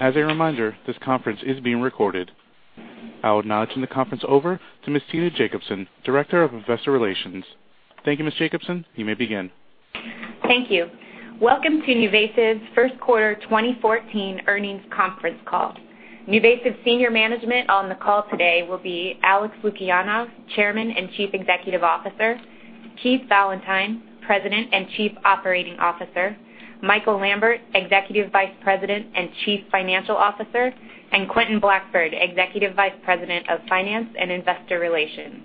As a reminder, this conference is being recorded. I will now turn the conference over to Ms. Tina Jacobsen, Director of Investor Relations. Thank you, Ms. Jacobsen. You may begin. Thank you. Welcome to NuVasive's first quarter 2014 earnings conference call. NuVasive's senior management on the call today will be Alex Lukianov, Chairman and Chief Executive Officer; Keith Valentine, President and Chief Operating Officer; Michael Lambert, Executive Vice President and Chief Financial Officer; and Quentin Blackford, Executive Vice President of Finance and Investor Relations.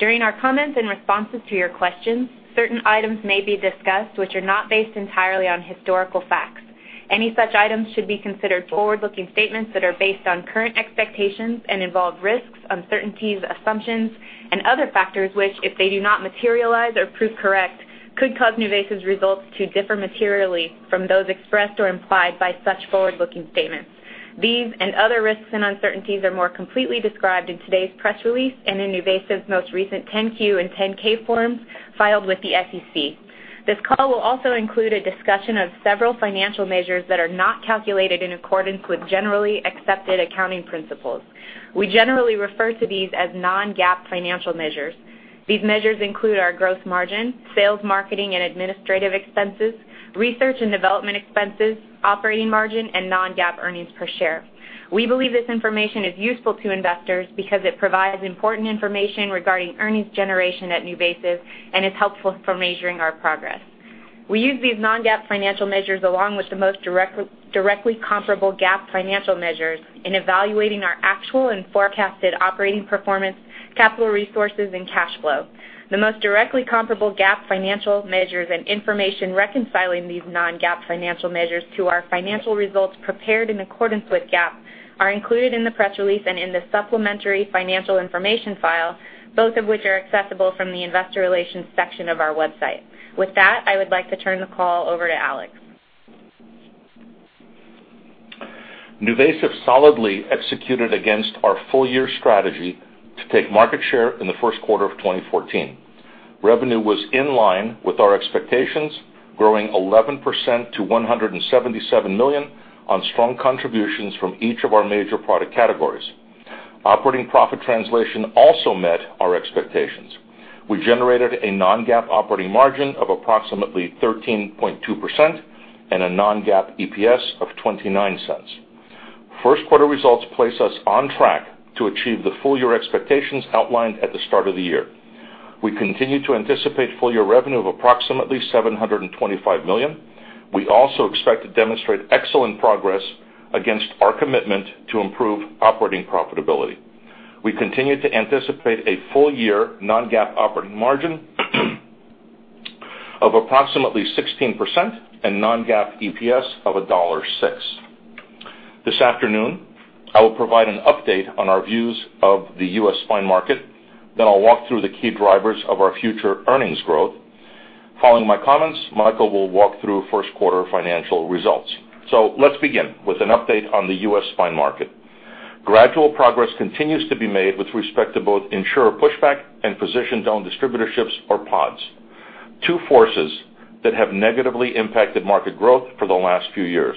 During our comments and responses to your questions, certain items may be discussed which are not based entirely on historical facts. Any such items should be considered forward-looking statements that are based on current expectations and involve risks, uncertainties, assumptions, and other factors which, if they do not materialize or prove correct, could cause NuVasive's results to differ materially from those expressed or implied by such forward-looking statements. These and other risks and uncertainties are more completely described in today's press release and in NuVasive's most recent 10-Q and 10-K forms filed with the SEC. This call will also include a discussion of several financial measures that are not calculated in accordance with generally accepted accounting principles. We generally refer to these as non-GAAP financial measures. These measures include our gross margin, sales marketing and administrative expenses, research and development expenses, operating margin, and non-GAAP earnings per share. We believe this information is useful to investors because it provides important information regarding earnings generation at NuVasive and is helpful for measuring our progress. We use these non-GAAP financial measures along with the most directly comparable GAAP financial measures in evaluating our actual and forecasted operating performance, capital resources, and cash flow. The most directly comparable GAAP financial measures and information reconciling these non-GAAP financial measures to our financial results prepared in accordance with GAAP are included in the press release and in the supplementary financial information file, both of which are accessible from the Investor Relations section of our website. With that, I would like to turn the call over to Alex. NuVasive solidly executed against our full-year strategy to take market share in the first quarter of 2014. Revenue was in line with our expectations, growing 11% to $177 million on strong contributions from each of our major product categories. Operating profit translation also met our expectations. We generated a non-GAAP operating margin of approximately 13.2% and a non-GAAP EPS of $0.29. First quarter results place us on track to achieve the full-year expectations outlined at the start of the year. We continue to anticipate full-year revenue of approximately $725 million. We also expect to demonstrate excellent progress against our commitment to improve operating profitability. We continue to anticipate a full-year non-GAAP operating margin of approximately 16% and non-GAAP EPS of $1.06. This afternoon, I will provide an update on our views of the U.S. spine market, then I'll walk through the key drivers of our future earnings growth. Following my comments, Michael will walk through first quarter financial results. Let's begin with an update on the U.S. spine market. Gradual progress continues to be made with respect to both insurer pushback and physician-owned distributorships, or PODs, two forces that have negatively impacted market growth for the last few years.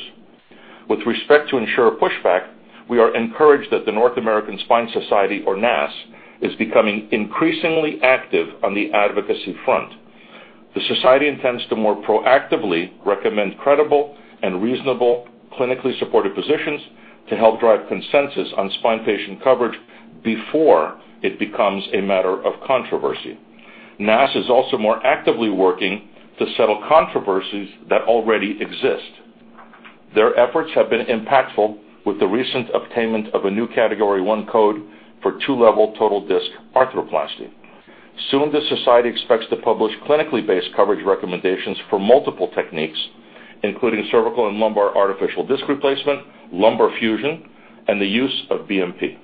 With respect to insurer pushback, we are encouraged that the North American Spine Society, or NASS, is becoming increasingly active on the advocacy front. The Society intends to more proactively recommend credible and reasonable clinically supported positions to help drive consensus on spine patient coverage before it becomes a matter of controversy. NASS is also more actively working to settle controversies that already exist. Their efforts have been impactful with the recent obtainment of a new category one code for two-level total disc arthroplasty. Soon, the Society expects to publish clinically based coverage recommendations for multiple techniques, including cervical and lumbar artificial disc replacement, lumbar fusion, and the use of BMP.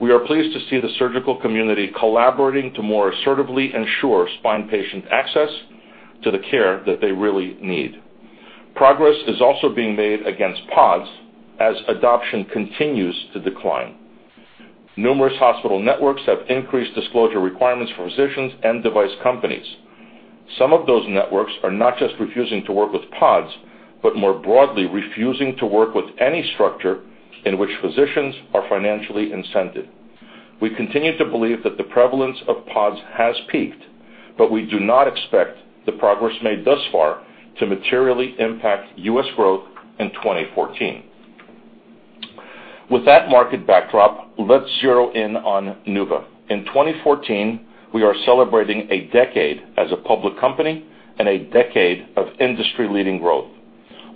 We are pleased to see the surgical community collaborating to more assertively ensure spine patient access to the care that they really need. Progress is also being made against PODs as adoption continues to decline. Numerous hospital networks have increased disclosure requirements for physicians and device companies. Some of those networks are not just refusing to work with PODs, but more broadly refusing to work with any structure in which physicians are financially incented. We continue to believe that the prevalence of PODs has peaked, but we do not expect the progress made thus far to materially impact U.S. growth in 2014. With that market backdrop, let's zero in on NuVa. In 2014, we are celebrating a decade as a public company and a decade of industry-leading growth.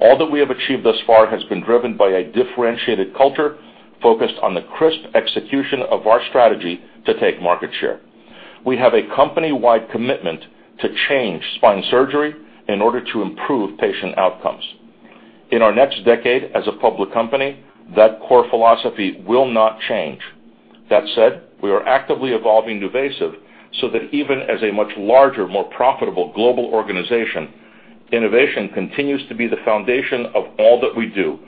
All that we have achieved thus far has been driven by a differentiated culture focused on the crisp execution of our strategy to take market share. We have a company-wide commitment to change spine surgery in order to improve patient outcomes. In our next decade as a public company, that core philosophy will not change. That said, we are actively evolving NuVasive so that even as a much larger, more profitable global organization, innovation continues to be the foundation of all that we do,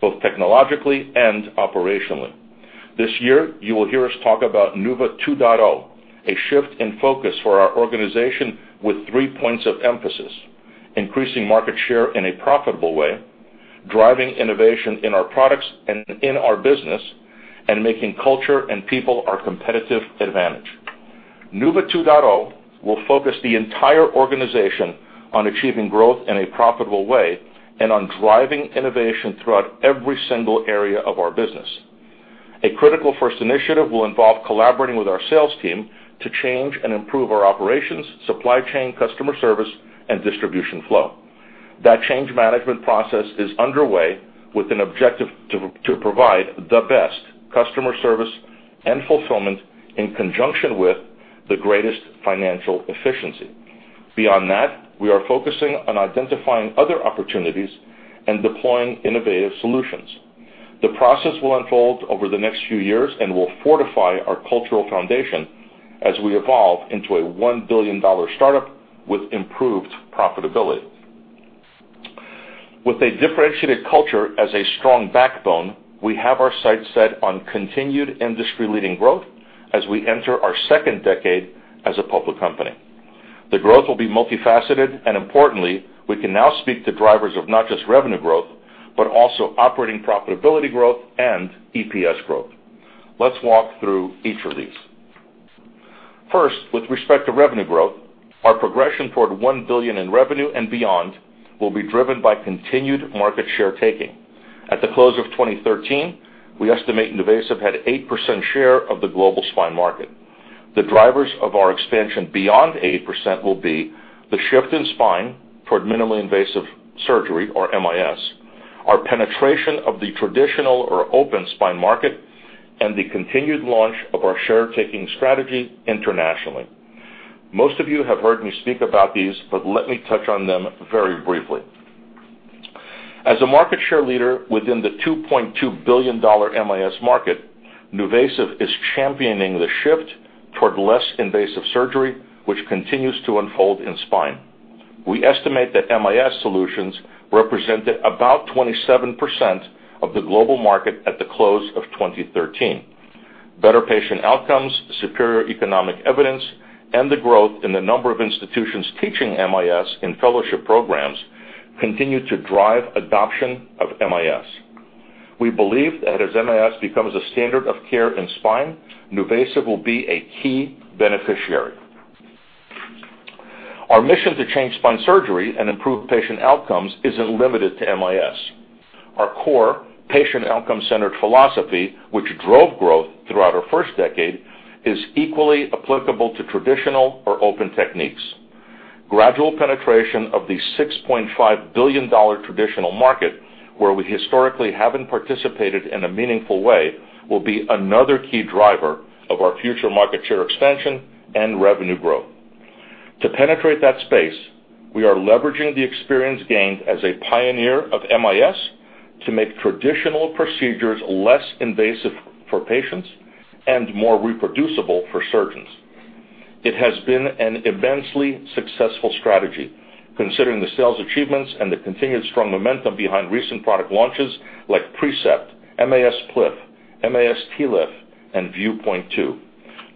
both technologically and operationally. This year, you will hear us talk about NuVa 2.0, a shift in focus for our organization with three points of emphasis: increasing market share in a profitable way, driving innovation in our products and in our business, and making culture and people our competitive advantage. NuVa 2.0 will focus the entire organization on achieving growth in a profitable way and on driving innovation throughout every single area of our business. A critical first initiative will involve collaborating with our sales team to change and improve our operations, supply chain, customer service, and distribution flow. That change management process is underway with an objective to provide the best customer service and fulfillment in conjunction with the greatest financial efficiency. Beyond that, we are focusing on identifying other opportunities and deploying innovative solutions. The process will unfold over the next few years and will fortify our cultural foundation as we evolve into a $1 billion startup with improved profitability. With a differentiated culture as a strong backbone, we have our sights set on continued industry-leading growth as we enter our second decade as a public company. The growth will be multifaceted and, importantly, we can now speak to drivers of not just revenue growth, but also operating profitability growth and EPS growth. Let's walk through each of these. First, with respect to revenue growth, our progression toward $1 billion in revenue and beyond will be driven by continued market share taking. At the close of 2013, we estimate NuVasive had an 8% share of the global spine market. The drivers of our expansion beyond 8% will be the shift in spine for minimally invasive surgery, or MIS, our penetration of the traditional or open spine market, and the continued launch of our share taking strategy internationally. Most of you have heard me speak about these, but let me touch on them very briefly. As a market share leader within the $2.2 billion MIS market, NuVasive is championing the shift toward less invasive surgery, which continues to unfold in spine. We estimate that MIS solutions represented about 27% of the global market at the close of 2013. Better patient outcomes, superior economic evidence, and the growth in the number of institutions teaching MIS in fellowship programs continue to drive adoption of MIS. We believe that as MIS becomes a standard of care in spine, NuVasive will be a key beneficiary. Our mission to change spine surgery and improve patient outcomes isn't limited to MIS. Our core patient outcome-centered philosophy, which drove growth throughout our first decade, is equally applicable to traditional or open techniques. Gradual penetration of the $6.5 billion traditional market, where we historically haven't participated in a meaningful way, will be another key driver of our future market share expansion and revenue growth. To penetrate that space, we are leveraging the experience gained as a pioneer of MIS to make traditional procedures less invasive for patients and more reproducible for surgeons. It has been an immensely successful strategy, considering the sales achievements and the continued strong momentum behind recent product launches like Precept, MIS PLIF, MIS TLIF, and ViewPoint 2.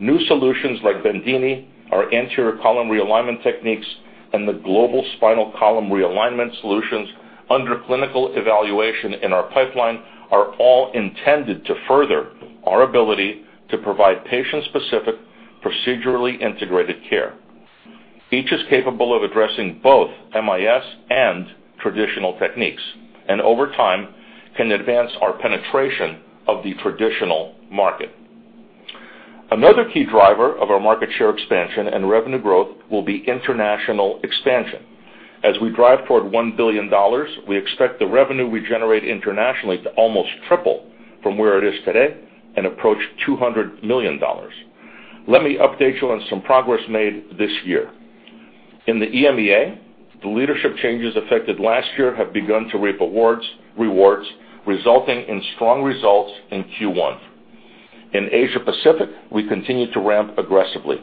New solutions like Bendini, our anterior column realignment techniques, and the global spinal column realignment solutions under clinical evaluation in our pipeline are all intended to further our ability to provide patient-specific, procedurally integrated care. Each is capable of addressing both MIS and traditional techniques and, over time, can advance our penetration of the traditional market. Another key driver of our market share expansion and revenue growth will be international expansion. As we drive toward $1 billion, we expect the revenue we generate internationally to almost triple from where it is today and approach $200 million. Let me update you on some progress made this year. In the EMEA, the leadership changes effected last year have begun to reap rewards, resulting in strong results in Q1. In Asia Pacific, we continue to ramp aggressively.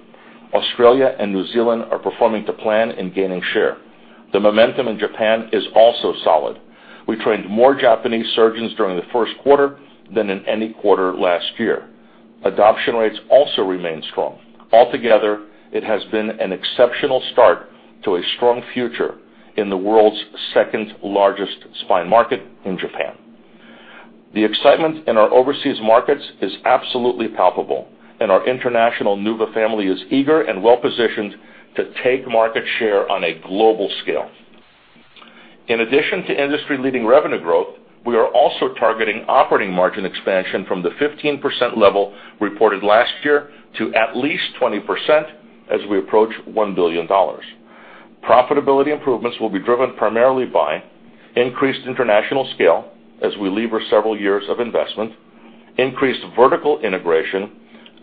Australia and New Zealand are performing to plan in gaining share. The momentum in Japan is also solid. We trained more Japanese surgeons during the first quarter than in any quarter last year. Adoption rates also remain strong. Altogether, it has been an exceptional start to a strong future in the world's second largest spine market in Japan. The excitement in our overseas markets is absolutely palpable, and our international NuVa family is eager and well-positioned to take market share on a global scale. In addition to industry-leading revenue growth, we are also targeting operating margin expansion from the 15% level reported last year to at least 20% as we approach $1 billion. Profitability improvements will be driven primarily by increased international scale as we lever several years of investment, increased vertical integration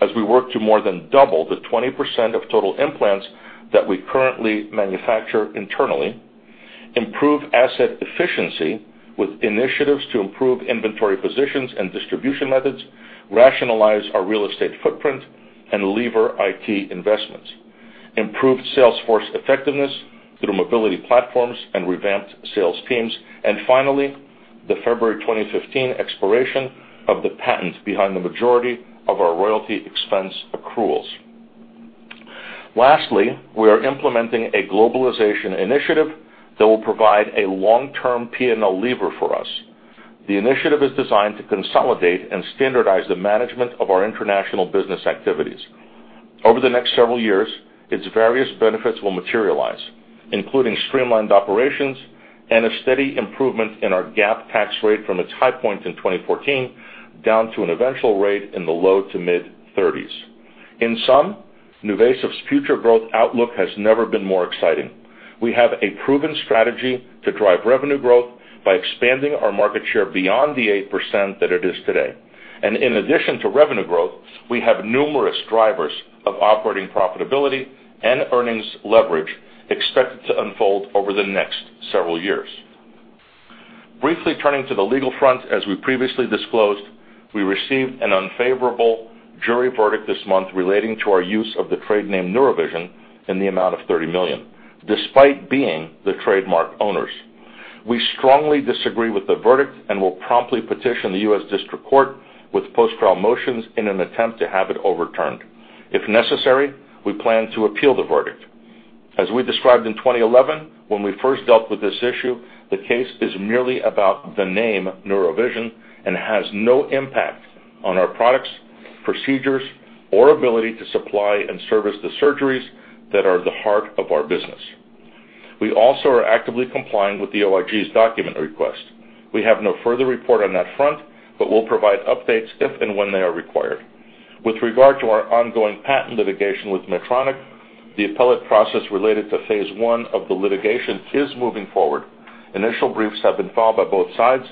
as we work to more than double the 20% of total implants that we currently manufacture internally, improve asset efficiency with initiatives to improve inventory positions and distribution methods, rationalize our real estate footprint, and lever IT investments, improve sales force effectiveness through mobility platforms and revamped sales teams, and finally, the February 2015 expiration of the patent behind the majority of our royalty expense accruals. Lastly, we are implementing a globalization initiative that will provide a long-term P&L lever for us. The initiative is designed to consolidate and standardize the management of our international business activities. Over the next several years, its various benefits will materialize, including streamlined operations and a steady improvement in our GAAP tax rate from its high point in 2014 down to an eventual rate in the low to mid-30s. In sum, NuVasive's future growth outlook has never been more exciting. We have a proven strategy to drive revenue growth by expanding our market share beyond the 8% that it is today. In addition to revenue growth, we have numerous drivers of operating profitability and earnings leverage expected to unfold over the next several years. Briefly turning to the legal front, as we previously disclosed, we received an unfavorable jury verdict this month relating to our use of the trade name Neurovision in the amount of $30 million, despite being the trademark owners. We strongly disagree with the verdict and will promptly petition the U.S. District Court with post-trial motions in an attempt to have it overturned. If necessary, we plan to appeal the verdict. As we described in 2011, when we first dealt with this issue, the case is merely about the name Neurovision and has no impact on our products, procedures, or ability to supply and service the surgeries that are the heart of our business. We also are actively complying with the OIG's document request. We have no further report on that front, but we'll provide updates if and when they are required. With regard to our ongoing patent litigation with Medtronic, the appellate process related to phase I of the litigation is moving forward. Initial briefs have been filed by both sides,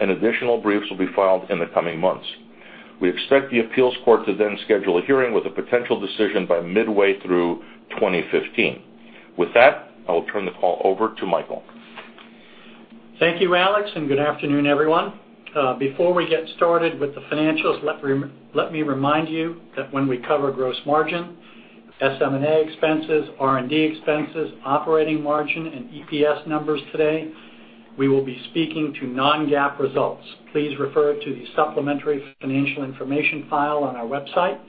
and additional briefs will be filed in the coming months. We expect the appeals court to then schedule a hearing with a potential decision by midway through 2015. With that, I will turn the call over to Michael. Thank you, Alex, and good afternoon, everyone. Before we get started with the financials, let me remind you that when we cover gross margin, SM&A expenses, R&D expenses, operating margin, and EPS numbers today, we will be speaking to non-GAAP results. Please refer to the supplementary financial information file on our website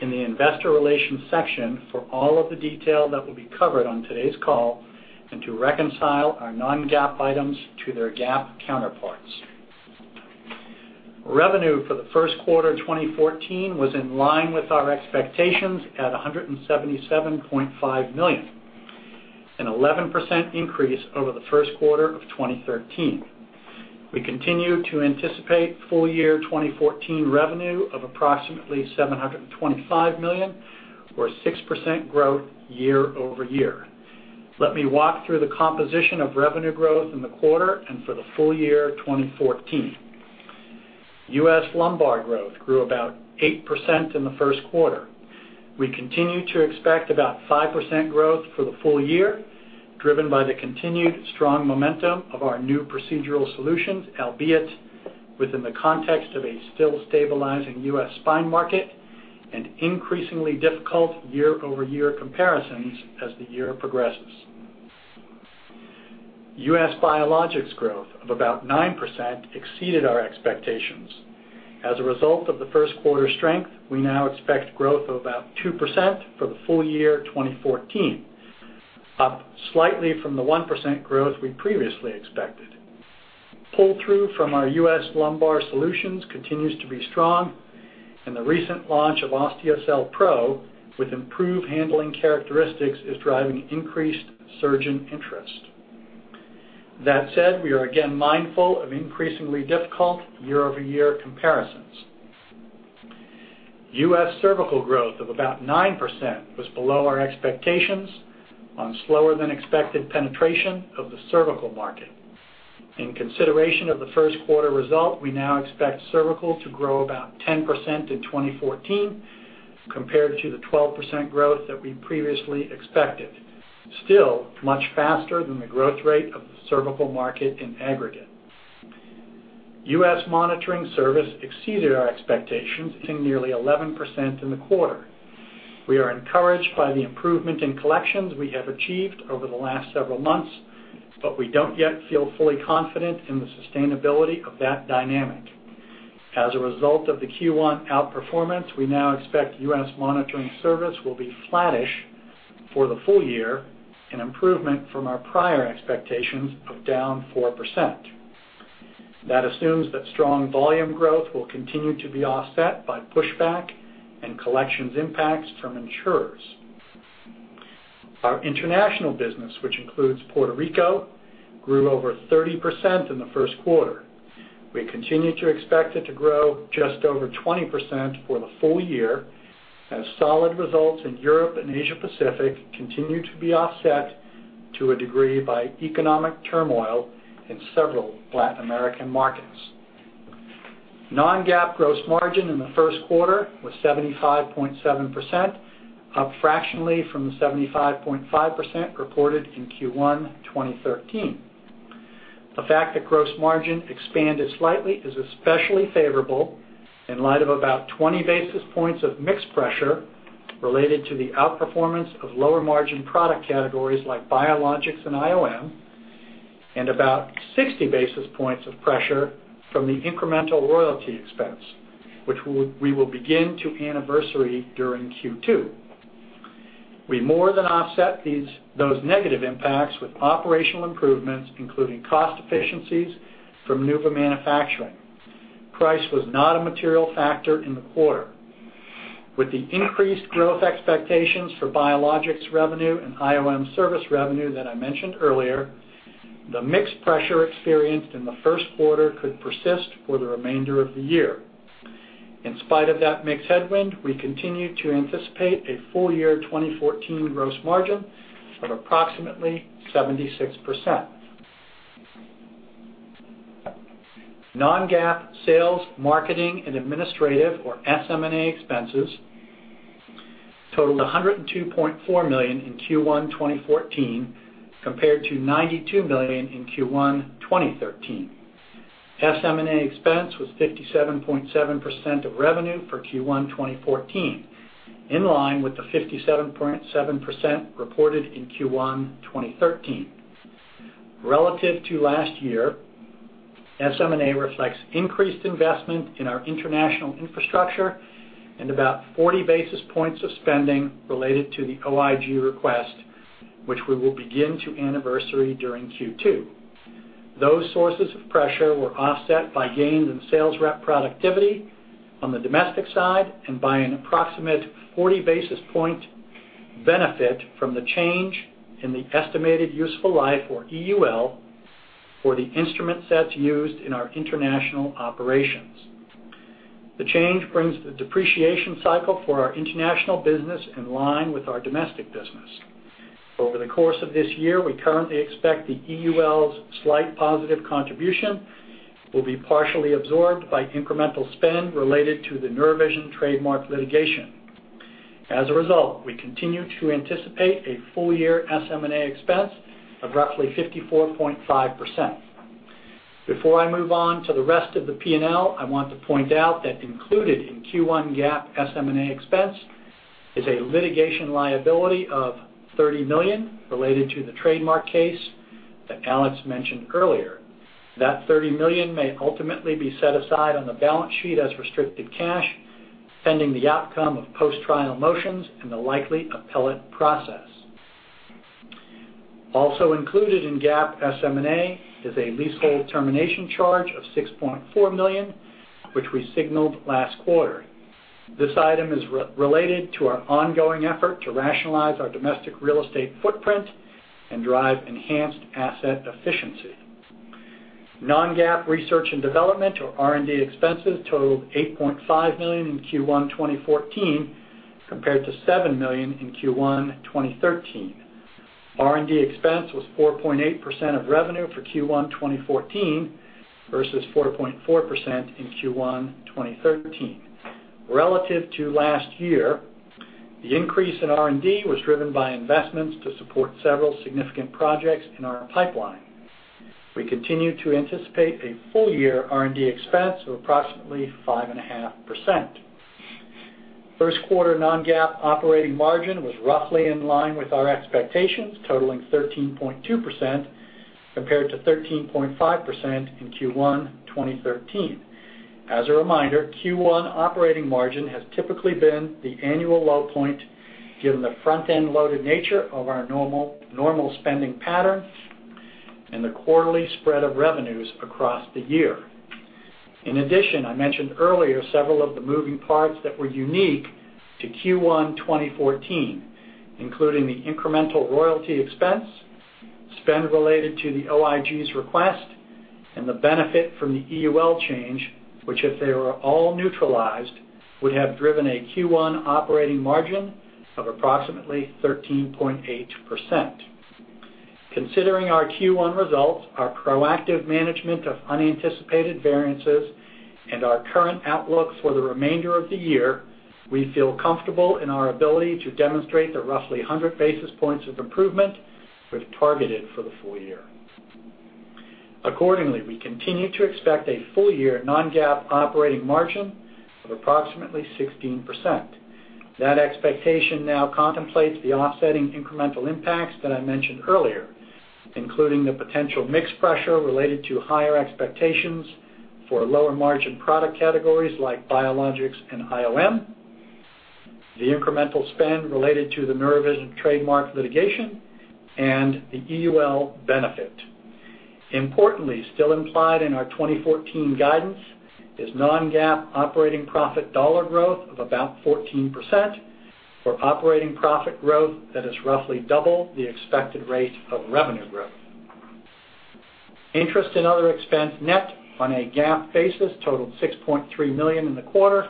in the investor relations section for all of the detail that will be covered on today's call and to reconcile our non-GAAP items to their GAAP counterparts. Revenue for the first quarter of 2014 was in line with our expectations at $177.5 million, an 11% increase over the first quarter of 2013. We continue to anticipate full year 2014 revenue of approximately $725 million, or 6% growth year-over-year. Let me walk through the composition of revenue growth in the quarter and for the full year 2014. U.S. lumbar growth grew about 8% in the first quarter. We continue to expect about 5% growth for the full year, driven by the continued strong momentum of our new procedural solutions, albeit within the context of a still stabilizing U.S. spine market and increasingly difficult year-over-year comparisons as the year progresses. U.S. biologics growth of about 9% exceeded our expectations. As a result of the first quarter strength, we now expect growth of about 2% for the full year 2014, up slightly from the 1% growth we previously expected. Pull-through from our U.S. lumbar solutions continues to be strong, and the recent launch of Osteocel Pro with improved handling characteristics is driving increased surgeon interest. That said, we are again mindful of increasingly difficult year-over-year comparisons. U.S. cervical growth of about 9% was below our expectations on slower-than-expected penetration of the cervical market. In consideration of the first quarter result, we now expect cervical to grow about 10% in 2014 compared to the 12% growth that we previously expected, still much faster than the growth rate of the cervical market in aggregate. U.S. monitoring service exceeded our expectations, hitting nearly 11% in the quarter. We are encouraged by the improvement in collections we have achieved over the last several months, but we do not yet feel fully confident in the sustainability of that dynamic. As a result of the Q1 outperformance, we now expect U.S. monitoring service will be flattish for the full year, an improvement from our prior expectations of down 4%. That assumes that strong volume growth will continue to be offset by pushback and collections impacts from insurers. Our international business, which includes Puerto Rico, grew over 30% in the first quarter. We continue to expect it to grow just over 20% for the full year as solid results in Europe and Asia Pacific continue to be offset to a degree by economic turmoil in several Latin American markets. Non-GAAP gross margin in the first quarter was 75.7%, up fractionally from the 75.5% reported in Q1 2013. The fact that gross margin expanded slightly is especially favorable in light of about 20 basis points of mixed pressure related to the outperformance of lower margin product categories like biologics and IOM, and about 60 basis points of pressure from the incremental royalty expense, which we will begin to anniversary during Q2. We more than offset those negative impacts with operational improvements, including cost efficiencies from NuVasive manufacturing. Price was not a material factor in the quarter. With the increased growth expectations for biologics revenue and IOM service revenue that I mentioned earlier, the mixed pressure experienced in the first quarter could persist for the remainder of the year. In spite of that mixed headwind, we continue to anticipate a full year 2014 gross margin of approximately 76%. Non-GAAP sales, marketing, and administrative, or SM&A expenses totaled $102.4 million in Q1 2014 compared to $92 million in Q1 2013. SM&A expense was 57.7% of revenue for Q1 2014, in line with the 57.7% reported in Q1 2013. Relative to last year, SM&A reflects increased investment in our international infrastructure and about 40 basis points of spending related to the OIG request, which we will begin to anniversary during Q2. Those sources of pressure were offset by gains in sales rep productivity on the domestic side and by an approximate 40 basis point benefit from the change in the estimated useful life, or EUL, for the instrument sets used in our international operations. The change brings the depreciation cycle for our international business in line with our domestic business. Over the course of this year, we currently expect the EUL's slight positive contribution will be partially absorbed by incremental spend related to the Neurovision trademark litigation. As a result, we continue to anticipate a full year SM&A expense of roughly 54.5%. Before I move on to the rest of the P&L, I want to point out that included in Q1 GAAP SM&A expense is a litigation liability of $30 million related to the trademark case that Alex mentioned earlier. That $30 million may ultimately be set aside on the balance sheet as restricted cash, pending the outcome of post-trial motions and the likely appellate process. Also included in GAAP SM&A is a leasehold termination charge of $6.4 million, which we signaled last quarter. This item is related to our ongoing effort to rationalize our domestic real estate footprint and drive enhanced asset efficiency. Non-GAAP research and development, or R&D expenses, totaled $8.5 million in Q1 2014 compared to $7 million in Q1 2013. R&D expense was 4.8% of revenue for Q1 2014 versus 4.4% in Q1 2013. Relative to last year, the increase in R&D was driven by investments to support several significant projects in our pipeline. We continue to anticipate a full year R&D expense of approximately 5.5%. First quarter non-GAAP operating margin was roughly in line with our expectations, totaling 13.2% compared to 13.5% in Q1 2013. As a reminder, Q1 operating margin has typically been the annual low point given the front-end loaded nature of our normal spending pattern and the quarterly spread of revenues across the year. In addition, I mentioned earlier several of the moving parts that were unique to Q1 2014, including the incremental royalty expense, spend related to the OIG's request, and the benefit from the EUL change, which, if they were all neutralized, would have driven a Q1 operating margin of approximately 13.8%. Considering our Q1 results, our proactive management of unanticipated variances, and our current outlook for the remainder of the year, we feel comfortable in our ability to demonstrate the roughly 100 basis points of improvement we've targeted for the full year. Accordingly, we continue to expect a full year non-GAAP operating margin of approximately 16%. That expectation now contemplates the offsetting incremental impacts that I mentioned earlier, including the potential mixed pressure related to higher expectations for lower margin product categories like biologics and IOM, the incremental spend related to the Neurovision trademark litigation, and the EUL benefit. Importantly, still implied in our 2014 guidance is non-GAAP operating profit dollar growth of about 14%, or operating profit growth that is roughly double the expected rate of revenue growth. Interest and other expense net on a GAAP basis totaled $6.3 million in the quarter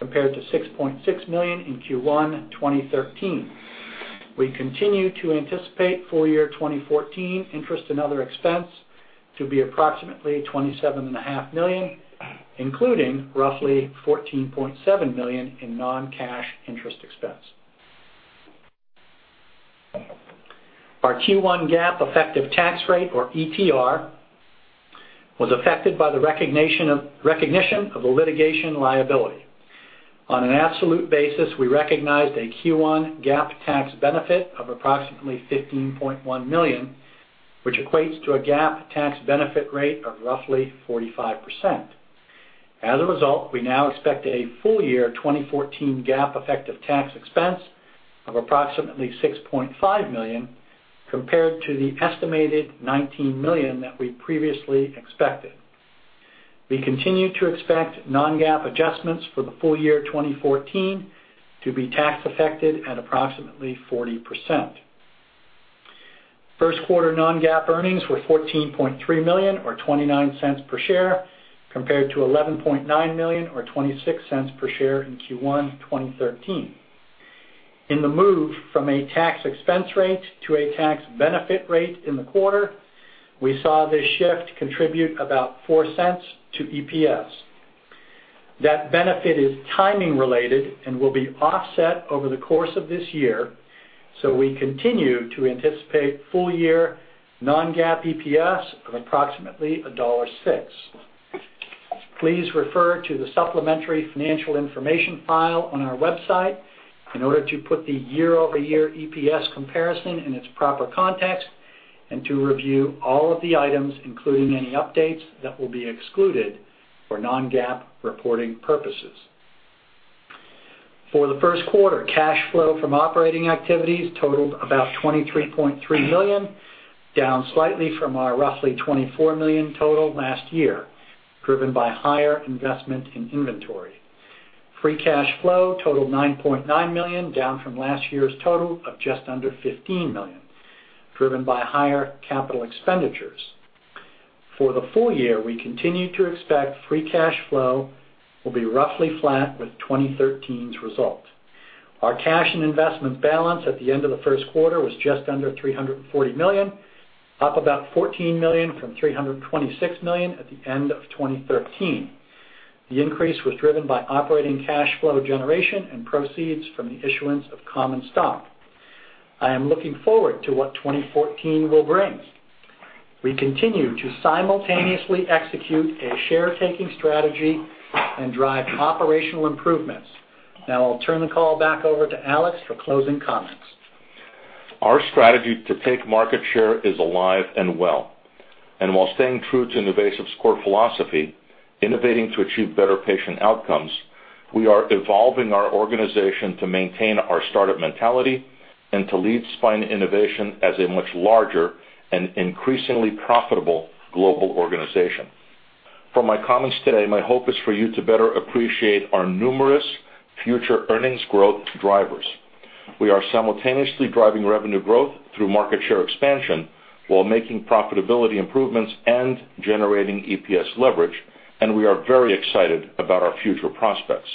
compared to $6.6 million in Q1 2013. We continue to anticipate full year 2014 interest and other expense to be approximately $27.5 million, including roughly $14.7 million in non-cash interest expense. Our Q1 GAAP effective tax rate, or ETR, was affected by the recognition of the litigation liability. On an absolute basis, we recognized a Q1 GAAP tax benefit of approximately $15.1 million, which equates to a GAAP tax benefit rate of roughly 45%. As a result, we now expect a full year 2014 GAAP effective tax expense of approximately $6.5 million compared to the estimated $19 million that we previously expected. We continue to expect non-GAAP adjustments for the full year 2014 to be tax affected at approximately 40%. First quarter non-GAAP earnings were $14.3 million, or $0.29 per share, compared to $11.9 million, or $0.26 per share in Q1 2013. In the move from a tax expense rate to a tax benefit rate in the quarter, we saw this shift contribute about $0.04 to EPS. That benefit is timing related and will be offset over the course of this year, so we continue to anticipate full year non-GAAP EPS of approximately $1.06. Please refer to the supplementary financial information file on our website in order to put the year-over-year EPS comparison in its proper context and to review all of the items, including any updates that will be excluded for non-GAAP reporting purposes. For the first quarter, cash flow from operating activities totaled about $23.3 million, down slightly from our roughly $24 million total last year, driven by higher investment in inventory. Free cash flow totaled $9.9 million, down from last year's total of just under $15 million, driven by higher capital expenditures. For the full year, we continue to expect free cash flow will be roughly flat with 2013's result. Our cash and investment balance at the end of the first quarter was just under $340 million, up about $14 million from $326 million at the end of 2013. The increase was driven by operating cash flow generation and proceeds from the issuance of common stock. I am looking forward to what 2014 will bring. We continue to simultaneously execute a share-taking strategy and drive operational improvements. Now I'll turn the call back over to Alex for closing comments. Our strategy to take market share is alive and well. While staying true to NuVasive's core philosophy, innovating to achieve better patient outcomes, we are evolving our organization to maintain our startup mentality and to lead spine innovation as a much larger and increasingly profitable global organization. From my comments today, my hope is for you to better appreciate our numerous future earnings growth drivers. We are simultaneously driving revenue growth through market share expansion while making profitability improvements and generating EPS leverage, and we are very excited about our future prospects.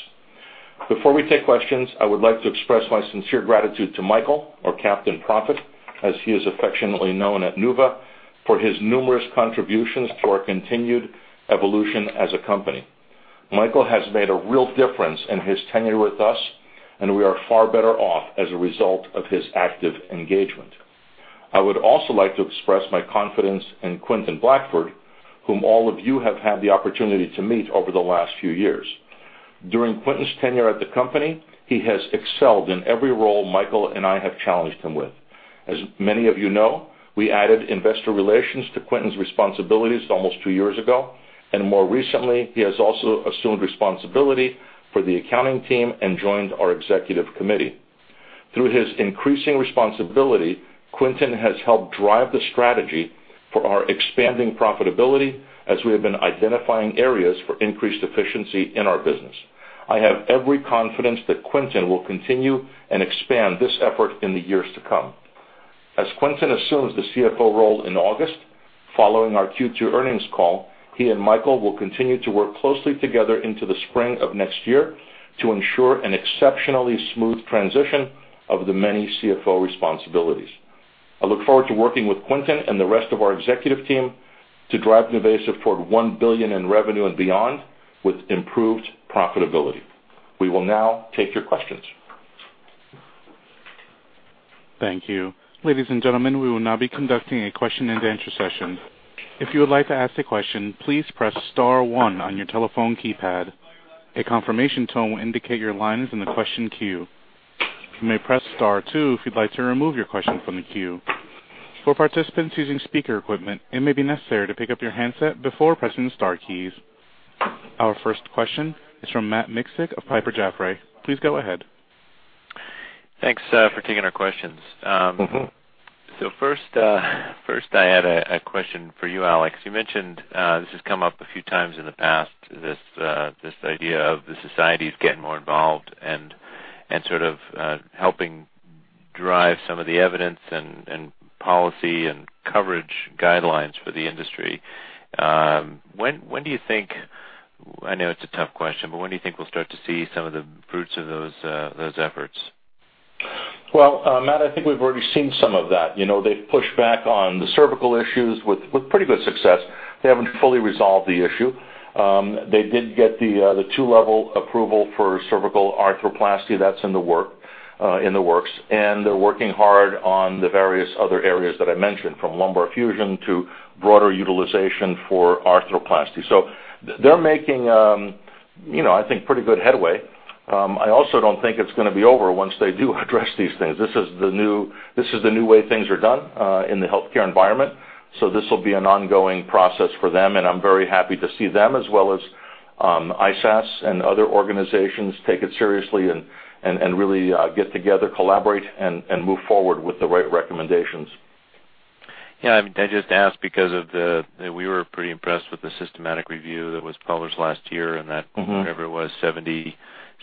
Before we take questions, I would like to express my sincere gratitude to Michael, or Captain Prophet, as he is affectionately known at NuVa, for his numerous contributions to our continued evolution as a company. Michael has made a real difference in his tenure with us, and we are far better off as a result of his active engagement. I would also like to express my confidence in Quentin Blackford, whom all of you have had the opportunity to meet over the last few years. During Quentin's tenure at the company, he has excelled in every role Michael and I have challenged him with. As many of you know, we added investor relations to Quentin's responsibilities almost two years ago, and more recently, he has also assumed responsibility for the accounting team and joined our executive committee. Through his increasing responsibility, Quentin has helped drive the strategy for our expanding profitability as we have been identifying areas for increased efficiency in our business. I have every confidence that Quentin will continue and expand this effort in the years to come. As Quentin assumes the CFO role in August, following our Q2 earnings call, he and Michael will continue to work closely together into the spring of next year to ensure an exceptionally smooth transition of the many CFO responsibilities. I look forward to working with Quentin and the rest of our executive team to drive NuVasive toward $1 billion in revenue and beyond with improved profitability. We will now take your questions. Thank you. Ladies and gentlemen, we will now be conducting a question-and-answer session. If you would like to ask a question, please press star one on your telephone keypad. A confirmation tone will indicate your line is in the question queue. You may press star two if you'd like to remove your question from the queue. For participants using speaker equipment, it may be necessary to pick up your handset before pressing the star keys. Our first question is from Matt Miksic of Piper Jaffray. Please go ahead. Thanks for taking our questions. First, I had a question for you, Alex. You mentioned this has come up a few times in the past, this idea of the societies getting more involved and sort of helping drive some of the evidence and policy and coverage guidelines for the industry. When do you think—I know it's a tough question—when do you think we'll start to see some of the fruits of those efforts? Matt, I think we've already seen some of that. They've pushed back on the cervical issues with pretty good success. They haven't fully resolved the issue. They did get the two-level approval for cervical arthroplasty. That's in the works. They're working hard on the various other areas that I mentioned, from lumbar fusion to broader utilization for arthroplasty. They're making, I think, pretty good headway. I also don't think it's going to be over once they do address these things. This is the new way things are done in the healthcare environment, so this will be an ongoing process for them, and I'm very happy to see them, as well as ISASS and other organizations, take it seriously and really get together, collaborate, and move forward with the right recommendations. Yeah, I mean, I just ask because we were pretty impressed with the systematic review that was published last year and that whatever it was,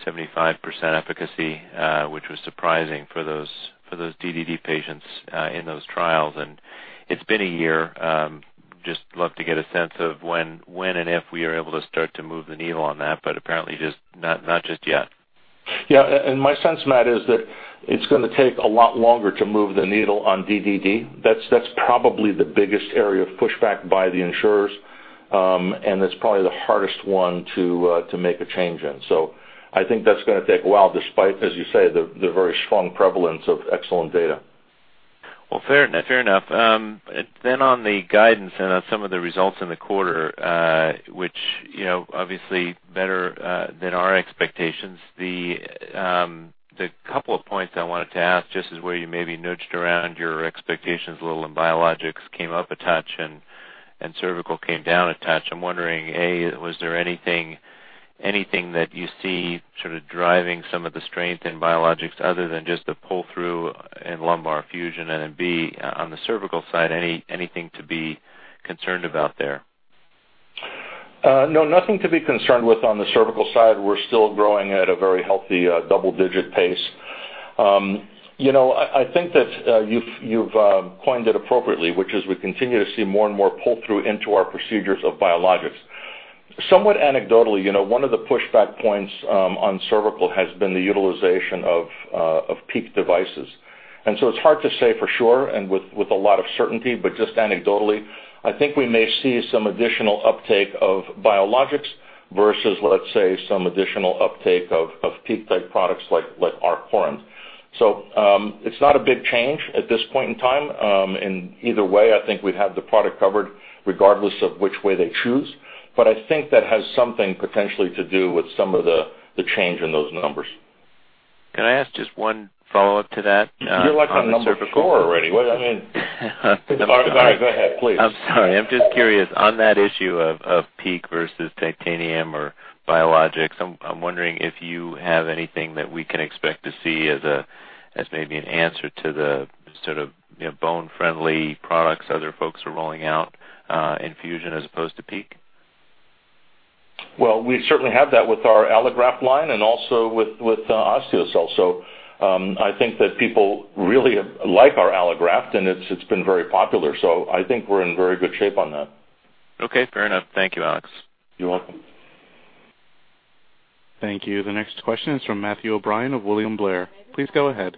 70%-75% efficacy, which was surprising for those DDD patients in those trials. And it's been a year. Just love to get a sense of when and if we are able to start to move the needle on that, but apparently not just yet. Yeah, and my sense, Matt, is that it's going to take a lot longer to move the needle on DDD. That's probably the biggest area of pushback by the insurers, and it's probably the hardest one to make a change in. I think that's going to take a while despite, as you say, the very strong prevalence of excellent data. Fair enough. Fair enough. On the guidance and on some of the results in the quarter, which were obviously better than our expectations, the couple of points I wanted to ask just as where you maybe nudged around your expectations a little in biologics came up a touch and cervical came down a touch. I'm wondering, A, was there anything that you see sort of driving some of the strength in biologics other than just the pull-through in lumbar fusion? And then B, on the cervical side, anything to be concerned about there? No, nothing to be concerned with on the cervical side. We're still growing at a very healthy double-digit pace. I think that you've coined it appropriately, which is we continue to see more and more pull-through into our procedures of biologics. Somewhat anecdotally, one of the pushback points on cervical has been the utilization of PEEK devices. It is hard to say for sure and with a lot of certainty, but just anecdotally, I think we may see some additional uptake of biologics versus, let's say, some additional uptake of PEEK-type products like our quorums. It is not a big change at this point in time. Either way, I think we have the product covered regardless of which way they choose. I think that has something potentially to do with some of the change in those numbers. Can I ask just one follow-up to that? You are like on the number before already. I mean, I am sorry. Go ahead, please. I am sorry. I am just curious. On that issue of PEEK versus titanium or biologics, I'm wondering if you have anything that we can expect to see as maybe an answer to the sort of bone-friendly products other folks are rolling out in fusion as opposed to PEEK? We certainly have that with our allograft line and also with Osteocel. I think that people really like our allograft, and it's been very popular. I think we're in very good shape on that. Okay, fair enough. Thank you, Alex. You're welcome. Thank you. The next question is from Matthew O'Brien of William Blair. Please go ahead.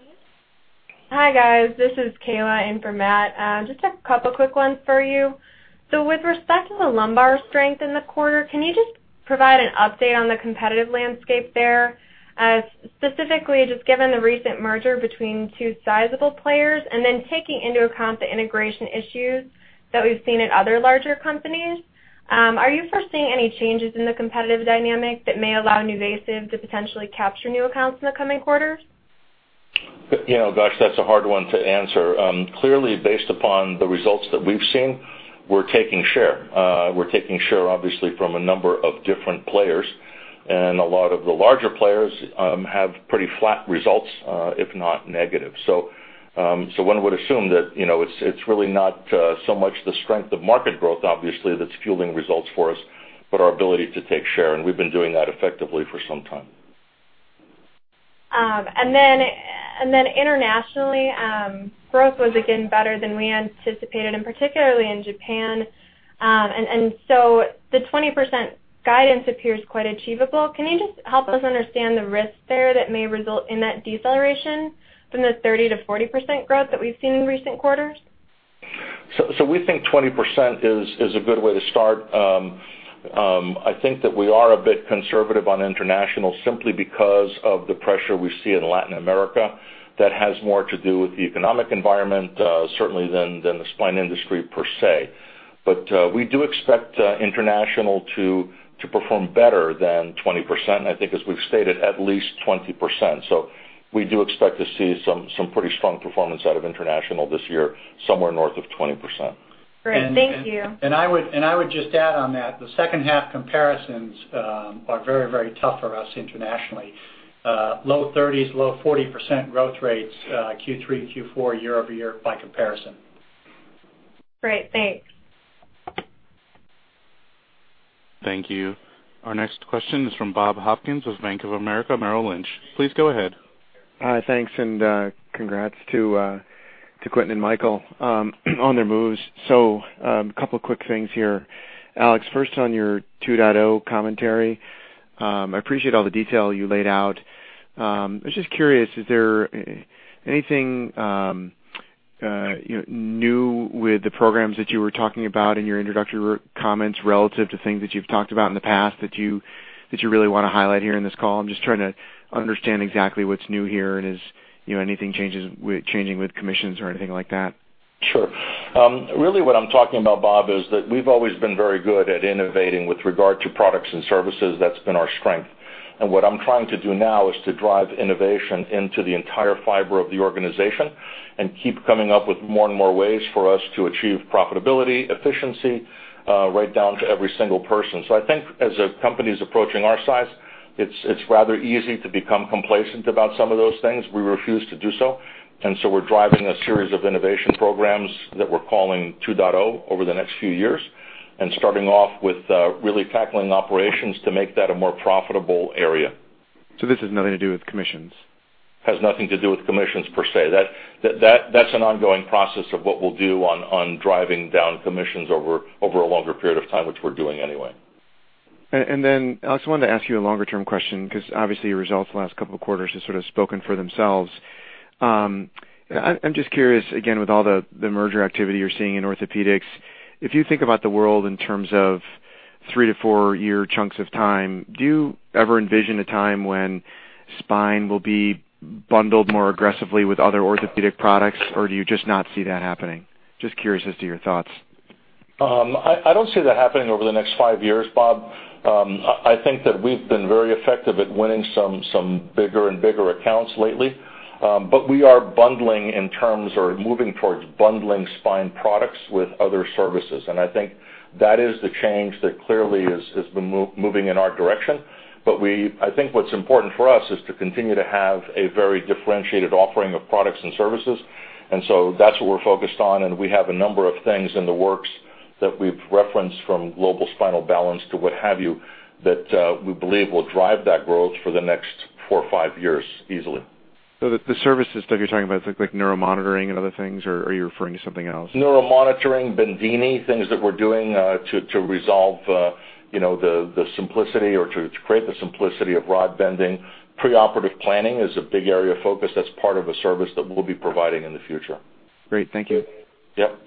Hi guys. This is Kayla in for Matt. Just a couple of quick ones for you. With respect to the lumbar strength in the quarter, can you just provide an update on the competitive landscape there? Specifically, just given the recent merger between two sizable players and then taking into account the integration issues that we've seen at other larger companies, are you foreseeing any changes in the competitive dynamic that may allow NuVasive to potentially capture new accounts in the coming quarters? Gosh, that's a hard one to answer. Clearly, based upon the results that we've seen, we're taking share. We're taking share, obviously, from a number of different players. A lot of the larger players have pretty flat results, if not negative. One would assume that it's really not so much the strength of market growth, obviously, that's fueling results for us, but our ability to take share. We've been doing that effectively for some time. Internationally, growth was, again, better than we anticipated, and particularly in Japan. The 20% guidance appears quite achievable. Can you just help us understand the risk there that may result in that deceleration from the 30%-40% growth that we've seen in recent quarters? We think 20% is a good way to start. I think that we are a bit conservative on international simply because of the pressure we see in Latin America that has more to do with the economic environment, certainly than the spine industry per se. We do expect international to perform better than 20%. I think, as we've stated, at least 20%. We do expect to see some pretty strong performance out of international this year, somewhere north of 20%. Great. Thank you. I would just add on that. The second-half comparisons are very, very tough for us internationally. Low 30%s, low 40% growth rates Q3, Q4, year-over-year by comparison. Great. Thanks. Thank you. Our next question is from Bob Hopkins of Bank of America, Merrill Lynch. Please go ahead. Hi, thanks. And congrats to Quentin and Michael on their moves. So a couple of quick things here. Alex, first on your 2.0 commentary, I appreciate all the detail you laid out. I was just curious, is there anything new with the programs that you were talking about in your introductory comments relative to things that you've talked about in the past that you really want to highlight here in this call? I'm just trying to understand exactly what's new here and is anything changing with commissions or anything like that? Sure. Really, what I'm talking about, Bob, is that we've always been very good at innovating with regard to products and services. That's been our strength. What I'm trying to do now is to drive innovation into the entire fiber of the organization and keep coming up with more and more ways for us to achieve profitability, efficiency right down to every single person. I think as a company is approaching our size, it's rather easy to become complacent about some of those things. We refuse to do so. We are driving a series of innovation programs that we're calling 2.0 over the next few years and starting off with really tackling operations to make that a more profitable area. This has nothing to do with commissions. Has nothing to do with commissions per se. That's an ongoing process of what we'll do on driving down commissions over a longer period of time, which we're doing anyway. And then, Alex, I wanted to ask you a longer-term question because obviously your results the last couple of quarters have sort of spoken for themselves. I'm just curious, again, with all the merger activity you're seeing in orthopedics, if you think about the world in terms of three- to four-year chunks of time, do you ever envision a time when spine will be bundled more aggressively with other orthopedic products, or do you just not see that happening? Just curious as to your thoughts. I don't see that happening over the next five years, Bob. I think that we've been very effective at winning some bigger and bigger accounts lately. We are bundling in terms or moving towards bundling spine products with other services. I think that is the change that clearly is moving in our direction. I think what's important for us is to continue to have a very differentiated offering of products and services. That's what we're focused on. We have a number of things in the works that we've referenced from global spinal balance to what have you that we believe will drive that growth for the next four or five years easily. The services that you're talking about, like neuromonitoring and other things, or are you referring to something else? Neuromonitoring, Bendini, things that we're doing to resolve the simplicity or to create the simplicity of rod bending. Preoperative planning is a big area of focus that's part of a service that we'll be providing in the future. Great. Thank you. Yep.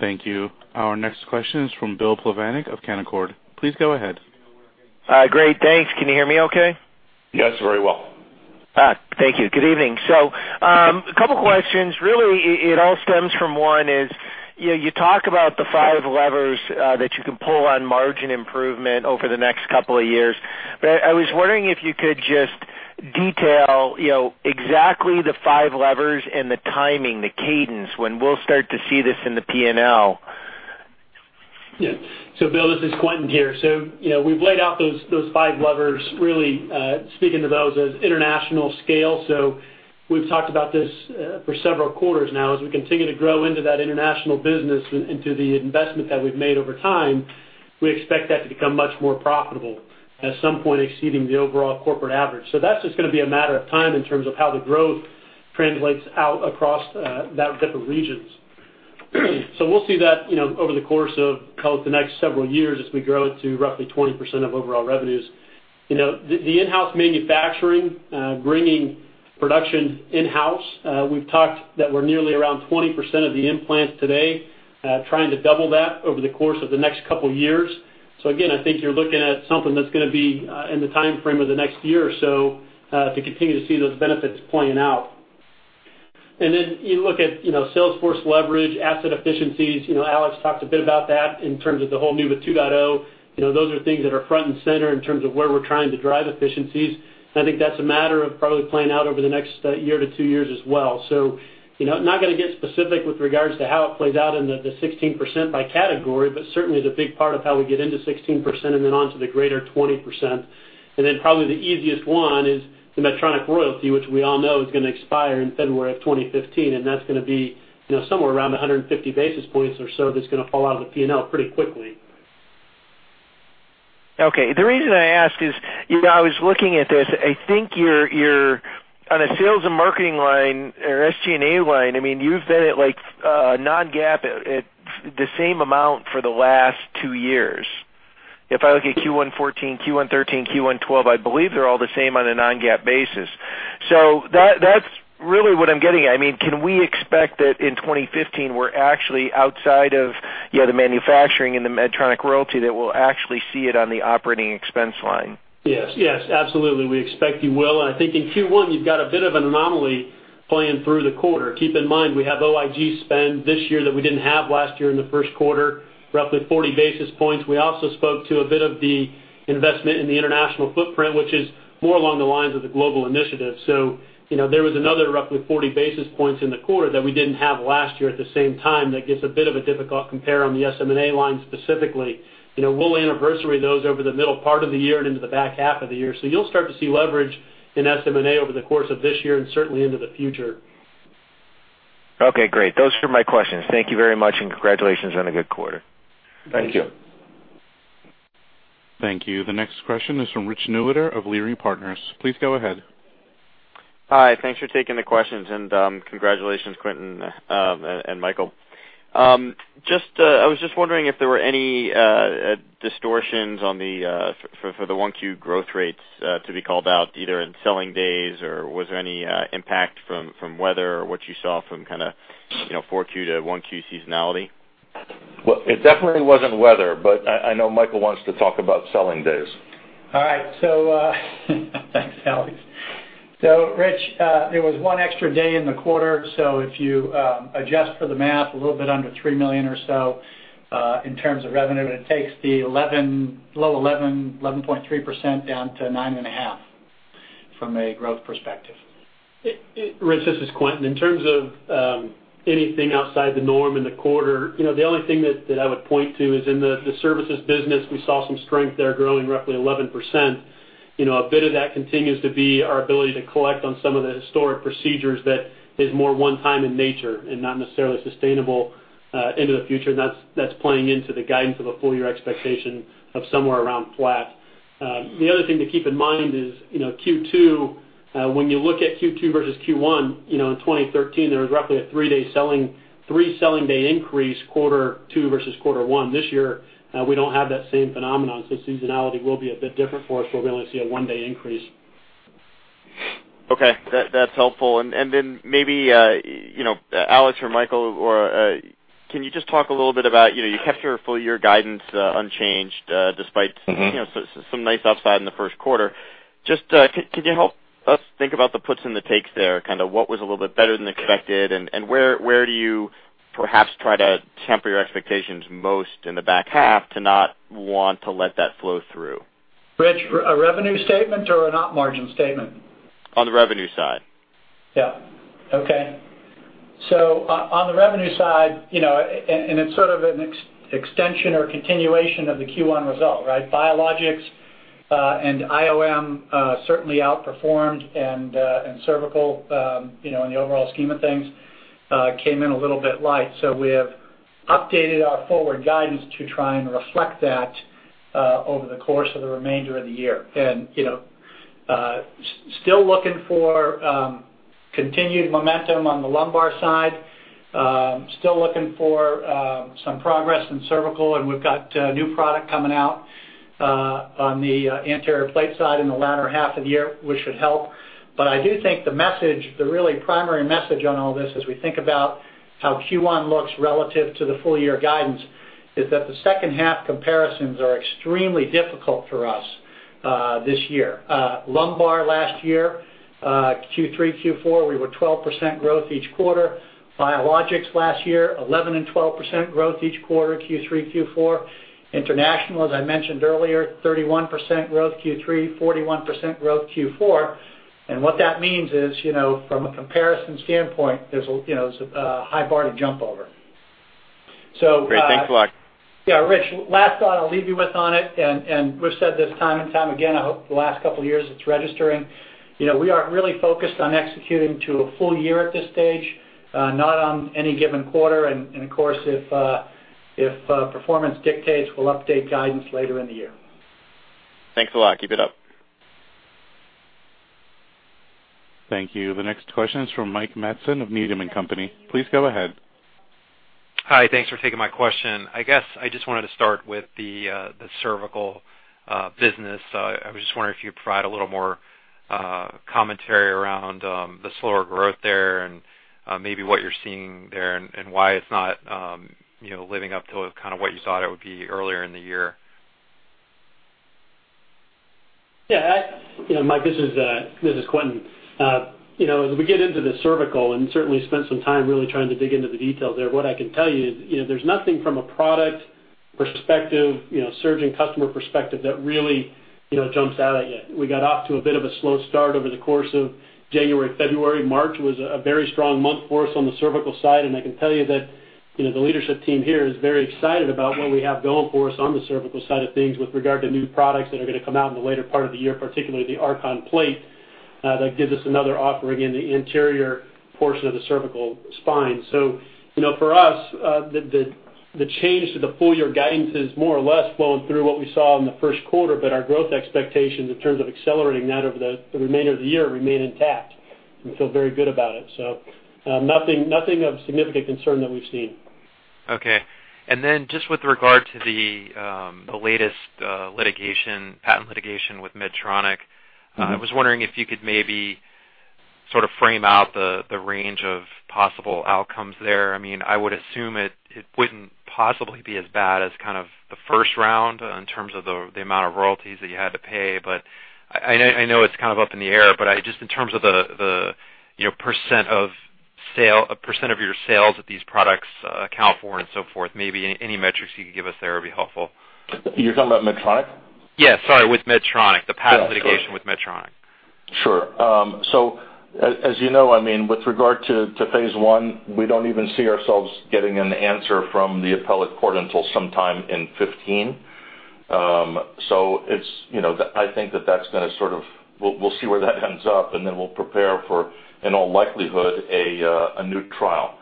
Thank you. Our next question is from Bill Plovanic of Canaccord. Please go ahead. Great. Thanks. Can you hear me okay? Yes, very well. Thank you. Good evening. So a couple of questions. Really, it all stems from one is you talk about the five levers that you can pull on margin improvement over the next couple of years. But I was wondering if you could just detail exactly the five levers and the timing, the cadence when we'll start to see this in the P&L. Yeah. So Bill, this is Quentin here. So we've laid out those five levers, really speaking to those as international scale. So we've talked about this for several quarters now. As we continue to grow into that international business and to the investment that we've made over time, we expect that to become much more profitable at some point exceeding the overall corporate average. That's just going to be a matter of time in terms of how the growth translates out across that different regions. We will see that over the course of the next several years as we grow it to roughly 20% of overall revenues. The in-house manufacturing, bringing production in-house, we have talked that we are nearly around 20% of the implants today, trying to double that over the course of the next couple of years. I think you are looking at something that is going to be in the timeframe of the next year or so to continue to see those benefits playing out. You look at Salesforce leverage, asset efficiencies. Alex talked a bit about that in terms of the whole new 2.0. Those are things that are front and center in terms of where we are trying to drive efficiencies. I think that is a matter of probably playing out over the next year to two years as well. Not going to get specific with regards to how it plays out in the 16% by category, but certainly the big part of how we get into 16% and then on to the greater 20%. Probably the easiest one is the Medtronic royalty, which we all know is going to expire in February of 2015. That's going to be somewhere around 150 basis points or so that's going to fall out of the P&L pretty quickly. Okay. The reason I ask is I was looking at this. I think you're on a sales and marketing line or SG&A line. I mean, you've been at non-GAAP at the same amount for the last two years. If I look at Q1 2014, Q1 2013, Q1 2012, I believe they're all the same on a non-GAAP basis. That's really what I'm getting at. I mean, can we expect that in 2015 we're actually outside of the manufacturing and the Medtronic royalty that we'll actually see it on the operating expense line? Yes. Yes. Absolutely. We expect you will. I think in Q1, you've got a bit of an anomaly playing through the quarter. Keep in mind, we have OIG spend this year that we did not have last year in the first quarter, roughly 40 basis points. We also spoke to a bit of the investment in the international footprint, which is more along the lines of the global initiative. There was another roughly 40 basis points in the quarter that we did not have last year at the same time that gets a bit of a difficult compare on the SM&A line specifically. We will anniversary those over the middle part of the year and into the back half of the year. You'll start to see leverage in SM&A over the course of this year and certainly into the future. Okay. Great. Those are my questions. Thank you very much and congratulations on a good quarter. Thank you. Thank you. The next question is from Rich Newitter of Leerink Partners. Please go ahead. Hi. Thanks for taking the questions. And congratulations, Quentin and Michael. I was just wondering if there were any distortions for the 1Q growth rates to be called out either in selling days or was there any impact from weather or what you saw from kind of 4Q to 1Q seasonality? It definitely wasn't weather, but I know Michael wants to talk about selling days. All right. Thanks, Alex. Rich, there was one extra day in the quarter. If you adjust for the math, a little bit under $3 million or so in terms of revenue, it takes the low 11, 11.3% down to 9.5% from a growth perspective. Rich, this is Quentin. In terms of anything outside the norm in the quarter, the only thing that I would point to is in the services business, we saw some strength there growing roughly 11%. A bit of that continues to be our ability to collect on some of the historic procedures that is more one-time in nature and not necessarily sustainable into the future. That is playing into the guidance of a full-year expectation of somewhere around flat. The other thing to keep in mind is Q2, when you look at Q2 versus Q1, in 2013, there was roughly a three-selling day increase quarter two versus quarter one. This year, we don't have that same phenomenon. Seasonality will be a bit different for us. We'll be able to see a one-day increase. Okay. That's helpful. Maybe Alex or Michael, can you just talk a little bit about you kept your full-year guidance unchanged despite some nice upside in the first quarter. Can you help us think about the puts and the takes there? Kind of what was a little bit better than expected? Where do you perhaps try to temper your expectations most in the back half to not want to let that flow through? Rich, a revenue statement or an op margin statement? On the revenue side. Yeah. On the revenue side, and it's sort of an extension or continuation of the Q1 result, right? Biologics and IOM certainly outperformed, and Cervical in the overall scheme of things came in a little bit light. We have updated our forward guidance to try and reflect that over the course of the remainder of the year. Still looking for continued momentum on the lumbar side, still looking for some progress in Cervical. We have got new product coming out on the anterior plate side in the latter half of the year, which should help. I do think the message, the really primary message on all this as we think about how Q1 looks relative to the full-year guidance is that the second-half comparisons are extremely difficult for us this year. Lumbar last year, Q3, Q4, we were 12% growth each quarter. Biologics last year, 11% and 12% growth each quarter, Q3, Q4. International, as I mentioned earlier, 31% growth Q3, 41% growth Q4. What that means is from a comparison standpoint, there's a high bar to jump over. Great. Thanks, Alex. Yeah. Rich, last thought I'll leave you with on it. We've said this time and time again, I hope the last couple of years it's registering. We are really focused on executing to a full year at this stage, not on any given quarter. Of course, if performance dictates, we'll update guidance later in the year. Thanks a lot. Keep it up. Thank you. The next question is from Mike Madison of Medium and Company. Please go ahead. Hi. Thanks for taking my question. I guess I just wanted to start with the Cervical business. I was just wondering if you'd provide a little more commentary around the slower growth there and maybe what you're seeing there and why it's not living up to kind of what you thought it would be earlier in the year. Yeah. Hi. This is Quentin. As we get into the Cervical and certainly spent some time really trying to dig into the details there, what I can tell you is there's nothing from a product perspective, surgeon customer perspective that really jumps out at you. We got off to a bit of a slow start over the course of January, February. March was a very strong month for us on the Cervical side. I can tell you that the leadership team here is very excited about what we have going for us on the Cervical side of things with regard to new products that are going to come out in the later part of the year, particularly the Arcon plate that gives us another offering in the anterior portion of the Cervical spine. For us, the change to the full-year guidance is more or less flowing through what we saw in the first quarter. Our growth expectations in terms of accelerating that over the remainder of the year remain intact and feel very good about it. Nothing of significant concern that we've seen. Okay. Just with regard to the latest patent litigation with Medtronic, I was wondering if you could maybe sort of frame out the range of possible outcomes there. I mean, I would assume it wouldn't possibly be as bad as kind of the first round in terms of the amount of royalties that you had to pay. I know it's kind of up in the air. Just in terms of the percent of your sales that these products account for and so forth, maybe any metrics you could give us there would be helpful. You're talking about Medtronic? Yeah. Sorry. With Medtronic, the patent litigation with Medtronic. Sure. As you know, with regard to phase I, we don't even see ourselves getting an answer from the appellate court until sometime in 2015. I think that that's going to sort of we'll see where that ends up. We'll prepare for, in all likelihood, a new trial.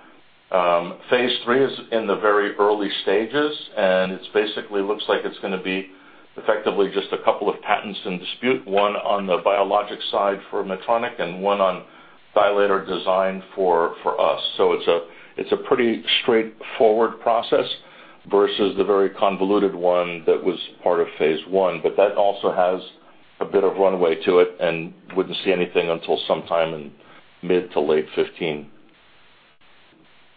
Phase III is in the very early stages. It basically looks like it's going to be effectively just a couple of patents in dispute, one on the biologics side for Medtronic and one on dilator design for us. It is a pretty straightforward process versus the very convoluted one that was part of phase I. That also has a bit of runway to it and would not see anything until sometime in mid to late 2015.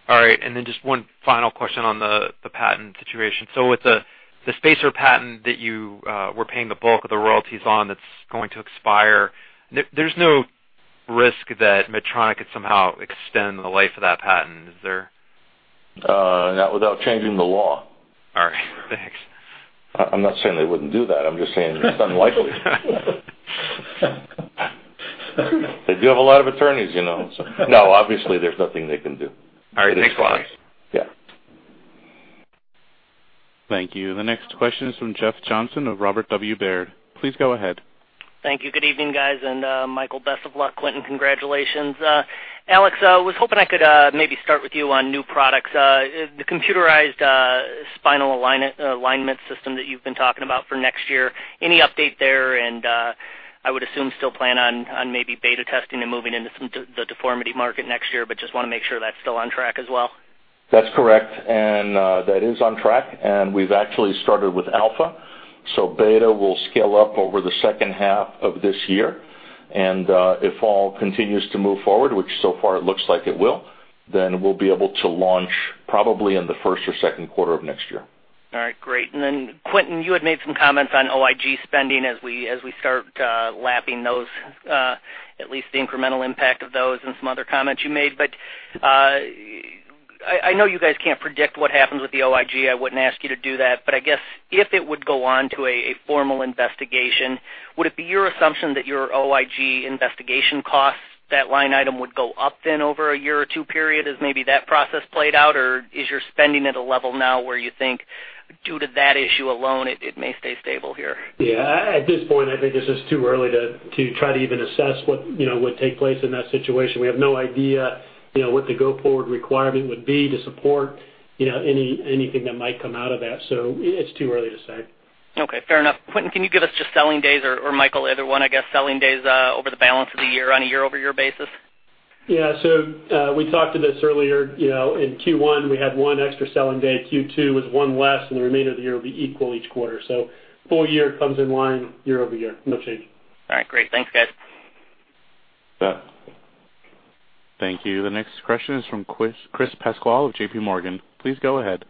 All right. Just one final question on the patent situation. With the Spacer patent that you were paying the bulk of the royalties on that's going to expire, there's no risk that Medtronic could somehow extend the life of that patent, is there? Not without changing the law. All right. Thanks. I'm not saying they wouldn't do that. I'm just saying it's unlikely. They do have a lot of attorneys, so. No, obviously, there's nothing they can do. All right. Thanks a lot. Yeah. Thank you. The next question is from Jeff Johnson of Robert W. Baird. Please go ahead. Thank you. Good evening, guys. And Michael, best of luck. Quentin, congratulations. Alex, I was hoping I could maybe start with you on new products. The computerized spinal alignment system that you've been talking about for next year, any update there? I would assume still plan on maybe beta testing and moving into the deformity market next year, but just want to make sure that's still on track as well. That's correct. That is on track. We've actually started with Alpha. Beta will scale up over the second half of this year. If all continues to move forward, which so far it looks like it will, then we'll be able to launch probably in the first or second quarter of next year. All right. Great. And then Quentin, you had made some comments on OIG spending as we start lapping those, at least the incremental impact of those and some other comments you made. I know you guys can't predict what happens with the OIG. I wouldn't ask you to do that. I guess if it would go on to a formal investigation, would it be your assumption that your OIG investigation costs, that line item would go up then over a year or two period as maybe that process played out? Or is your spending at a level now where you think due to that issue alone, it may stay stable here? Yeah. At this point, I think it's just too early to try to even assess what would take place in that situation. We have no idea what the go-forward requirement would be to support anything that might come out of that. So it's too early to say. Okay. Fair enough. Quentin, can you give us just selling days or Michael, either one, I guess, selling days over the balance of the year on a year-over-year basis? Yeah. So we talked to this earlier. In Q1, we had one extra selling day. Q2 was one less. And the remainder of the year will be equal each quarter. So full year comes in line year-over-year. No change. All right. Great. Thanks, guys. Thank you. The next question is from Chris Pasquale of JPMorgan. Please go ahead.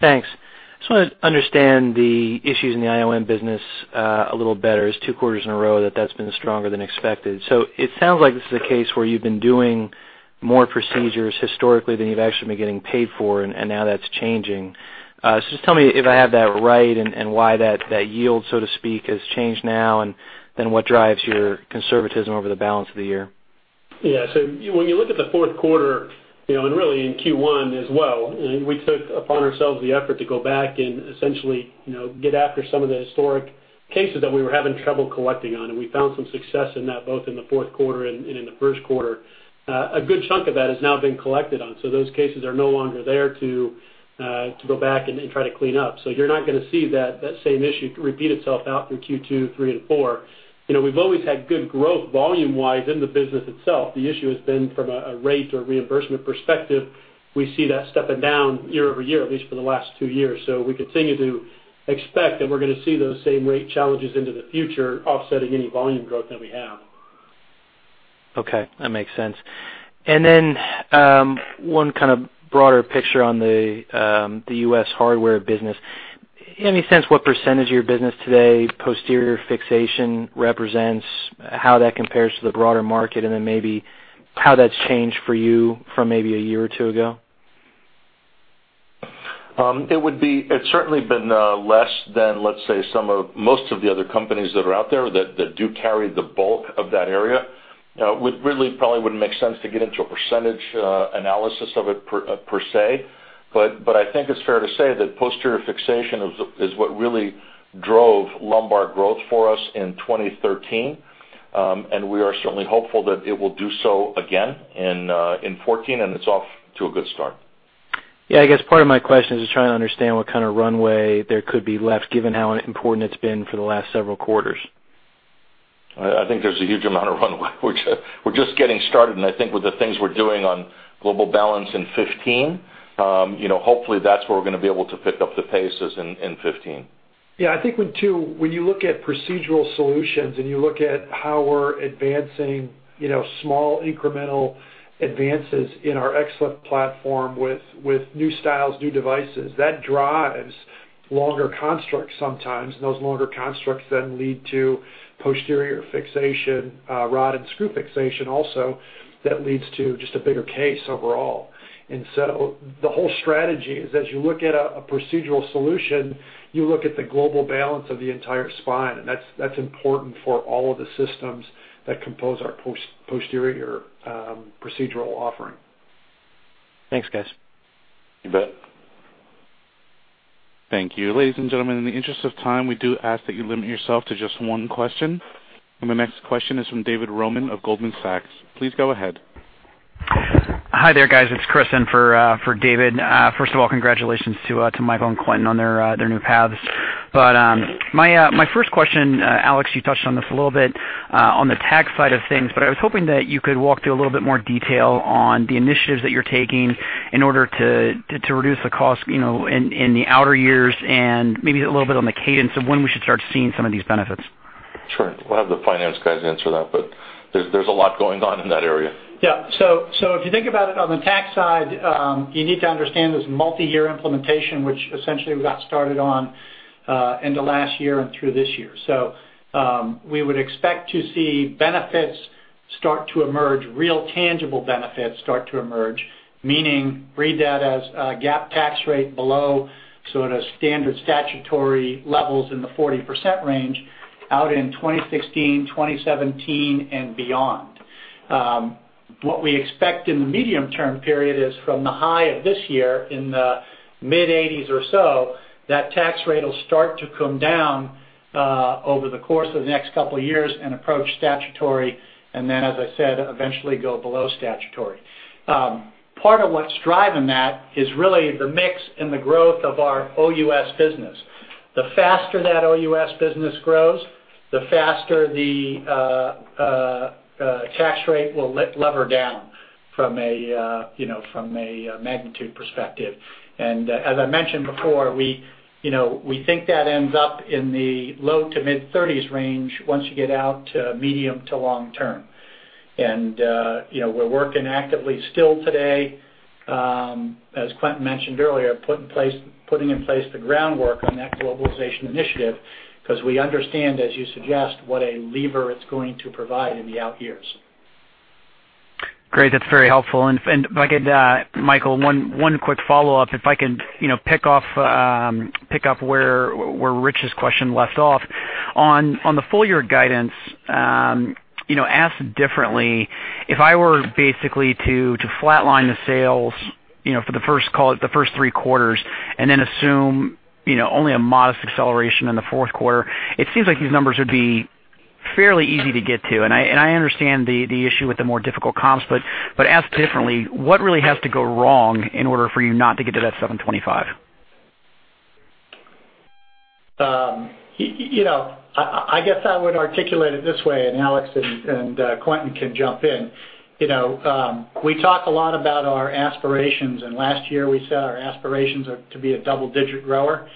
Thanks. I just want to understand the issues in the IOM business a little better. It's two quarters in a row that that's been stronger than expected. It sounds like this is a case where you've been doing more procedures historically than you've actually been getting paid for. Now that's changing. Just tell me if I have that right and why that yield, so to speak, has changed now and then what drives your conservatism over the balance of the year? Yeah. When you look at the fourth quarter and really in Q1 as well, we took upon ourselves the effort to go back and essentially get after some of the historic cases that we were having trouble collecting on. We found some success in that both in the fourth quarter and in the first quarter. A good chunk of that has now been collected on. Those cases are no longer there to go back and try to clean up. You're not going to see that same issue repeat itself out through Q2, Q3, and Q4. We've always had good growth volume-wise in the business itself. The issue has been from a rate or reimbursement perspective, we see that stepping down year-over-year, at least for the last two years. We continue to expect that we're going to see those same rate challenges into the future offsetting any volume growth that we have. Okay. That makes sense. And then one kind of broader picture on the U.S. hardware business. Do you have any sense what percentage of your business today posterior fixation represents, how that compares to the broader market, and then maybe how that's changed for you from maybe a year or two ago? It would be, it's certainly been less than, let's say, most of the other companies that are out there that do carry the bulk of that area. It really probably wouldn't make sense to get into a percentage analysis of it per se. I think it's fair to say that posterior fixation is what really drove lumbar growth for us in 2013. We are certainly hopeful that it will do so again in 2014. It's off to a good start. Yeah. I guess part of my question is to try and understand what kind of runway there could be left given how important it's been for the last several quarters. I think there's a huge amount of runway. We're just getting started. I think with the things we're doing on global balance in 2015, hopefully, that's where we're going to be able to pick up the pace is in 2015. Yeah. I think when you look at procedural solutions and you look at how we're advancing small incremental advances in our XLIF platform with new styles, new devices, that drives longer constructs sometimes. Those longer constructs then lead to posterior fixation, rod and screw fixation also that leads to just a bigger case overall. The whole strategy is as you look at a procedural solution, you look at the global balance of the entire spine. That's important for all of the systems that compose our posterior procedural offering. Thanks, guys. You bet. Thank you. Ladies and gentlemen, in the interest of time, we do ask that you limit yourself to just one question. The next question is from David Roman of Goldman Sachs. Please go ahead. Hi there, guys. It's Chris in for David. First of all, congratulations to Michael and Quentin on their new paths. My first question, Alex, you touched on this a little bit on the tax side of things. I was hoping that you could walk through a little bit more detail on the initiatives that you're taking in order to reduce the cost in the outer years and maybe a little bit on the cadence of when we should start seeing some of these benefits. Sure. We will have the finance guys answer that. There is a lot going on in that area. Yeah. If you think about it on the tax side, you need to understand this multi-year implementation, which essentially we got started on end of last year and through this year. We would expect to see benefits start to emerge, real tangible benefits start to emerge, meaning read that as a gap tax rate below sort of standard statutory levels in the 40% range out in 2016, 2017, and beyond. What we expect in the medium-term period is from the high of this year in the mid-80s or so, that tax rate will start to come down over the course of the next couple of years and approach statutory. As I said, eventually go below statutory. Part of what is driving that is really the mix and the growth of our OUS business. The faster that OUS business grows, the faster the tax rate will lever down from a magnitude perspective. As I mentioned before, we think that ends up in the low to mid-30% range once you get out to medium to long term. We're working actively still today, as Quentin mentioned earlier, putting in place the groundwork on that globalization initiative because we understand, as you suggest, what a lever it's going to provide in the out years. Great. That's very helpful. Michael, one quick follow-up. If I can pick up where Rich's question left off. On the full-year guidance, asked differently, if I were basically to flatline the sales for the first three quarters and then assume only a modest acceleration in the fourth quarter, it seems like these numbers would be fairly easy to get to. I understand the issue with the more difficult comps. Asked differently, what really has to go wrong in order for you not to get to that $725? I guess I would articulate it this way. Alex and Quentin can jump in. We talk a lot about our aspirations. Last year, we set our aspirations to be a double-digit grower.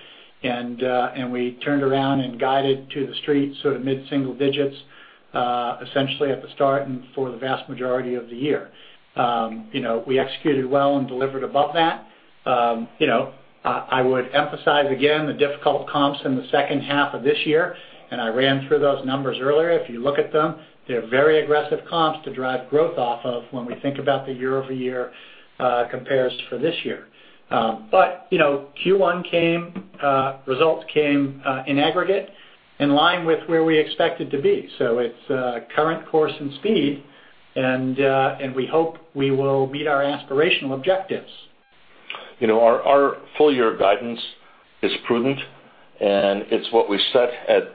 We turned around and guided to the street sort of mid-single digits essentially at the start and for the vast majority of the year. We executed well and delivered above that. I would emphasize again the difficult comps in the second half of this year. I ran through those numbers earlier. If you look at them, they're very aggressive comps to drive growth off of when we think about the year-over-year comparison for this year. Q1 came, results came in aggregate in line with where we expected to be. It's current course and speed. We hope we will meet our aspirational objectives. Our full-year guidance is prudent. It's what we set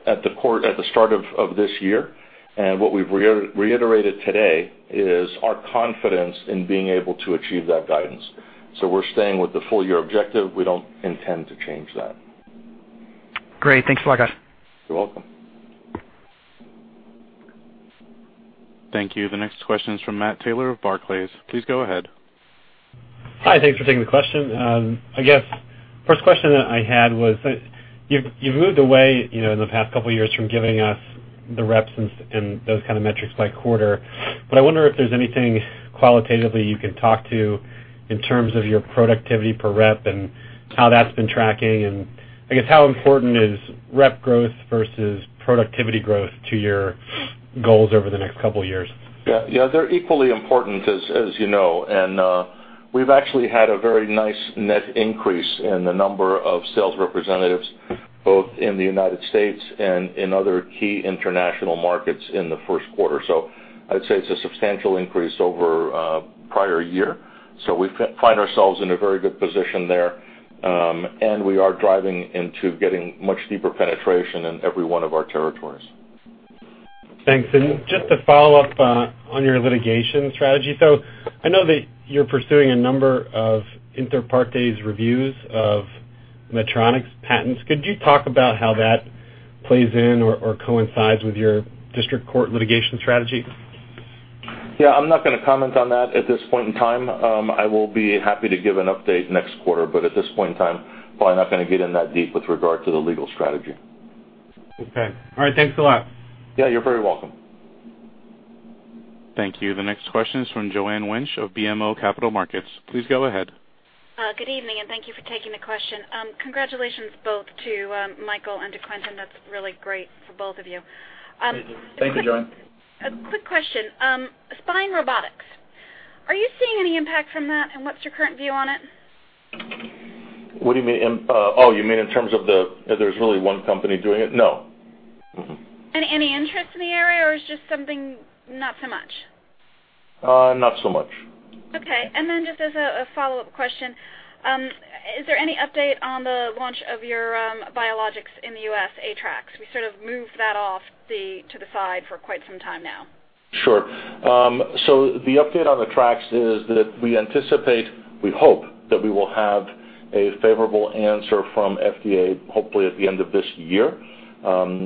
at the start of this year. What we've reiterated today is our confidence in being able to achieve that guidance. So we're staying with the full-year objective. We don't intend to change that. Great. Thanks a lot, guys. You're welcome. Thank you. The next question is from Matt Taylor of Barclays. Please go ahead. Hi. Thanks for taking the question. I guess first question that I had was you've moved away in the past couple of years from giving us the reps and those kind of metrics by quarter. But I wonder if there's anything qualitatively you can talk to in terms of your productivity per rep and how that's been tracking. And I guess how important is rep growth versus productivity growth to your goals over the next couple of years? Yeah. They're equally important, as you know. And we've actually had a very nice net increase in the number of sales representatives both in the United States and in other key international markets in the first quarter. I'd say it's a substantial increase over the prior year. We find ourselves in a very good position there. We are driving into getting much deeper penetration in every one of our territories. Thanks. Just to follow up on your litigation strategy, I know that you're pursuing a number of Interpartes reviews of Medtronic's patents. Could you talk about how that plays in or coincides with your district court litigation strategy? Yeah. I'm not going to comment on that at this point in time. I will be happy to give an update next quarter. At this point in time, probably not going to get in that deep with regard to the legal strategy. Okay. All right. Thanks a lot. Yeah. You're very welcome. Thank you. The next question is from Joanne Wuensch of BMO Capital Markets. Please go ahead. Good evening. Thank you for taking the question. Congratulations both to Michael and to Quentin. That is really great for both of you. Thank you, Joanne. Thank you. A quick question. Spine Robotics, are you seeing any impact from that? What is your current view on it? What do you mean? Oh, you mean in terms of there is really one company doing it? No. Any interest in the area? Or is it just something not so much? Not so much. Okay. Just as a follow-up question, is there any update on the launch of your biologics in the U.S., AttraX? We sort of moved that off to the side for quite some time now. Sure. The update on AttraX is that we anticipate, we hope that we will have a favorable answer from FDA hopefully at the end of this year.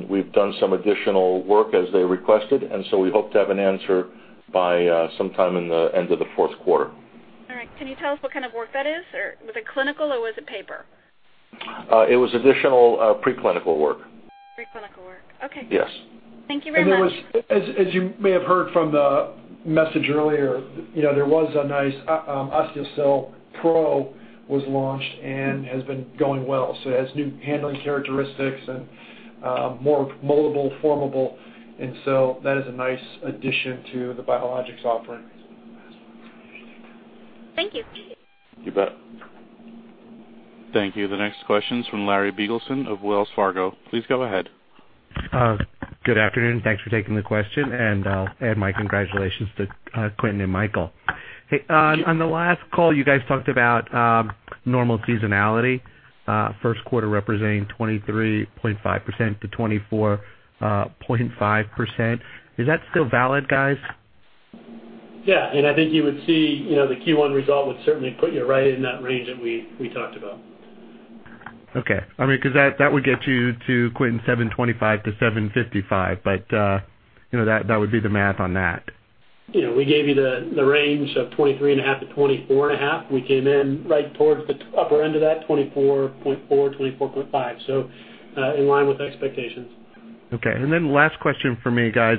We've done some additional work as they requested. And so we hope to have an answer by sometime in the end of the fourth quarter. All right. Can you tell us what kind of work that is? Was it clinical? Or was it paper? It was additional preclinical work. Preclinical work. Okay. Thank you very much. As you may have heard from the message earlier, there was a nice Osteocel Pro was launched and has been going well. So it has new handling characteristics and more moldable, formable. And so that is a nice addition to the biologics offering. Thank you. You bet. Thank you. The next question is from Larry Biegelsen of Wells Fargo. Please go ahead. Good afternoon. Thanks for taking the question. And my congratulations to Quentin and Michael. On the last call, you guys talked about normal seasonality, first quarter representing 23.5%-24.5%. Is that still valid, guys? Yeah. I think you would see the Q1 result would certainly put you right in that range that we talked about. Okay. I mean, because that would get you to Quentin's $725-$755. That would be the math on that. We gave you the range of 23.5%-24.5%. We came in right towards the upper end of that, 24.4%, 24.5%. In line with expectations. Okay. Last question for me, guys.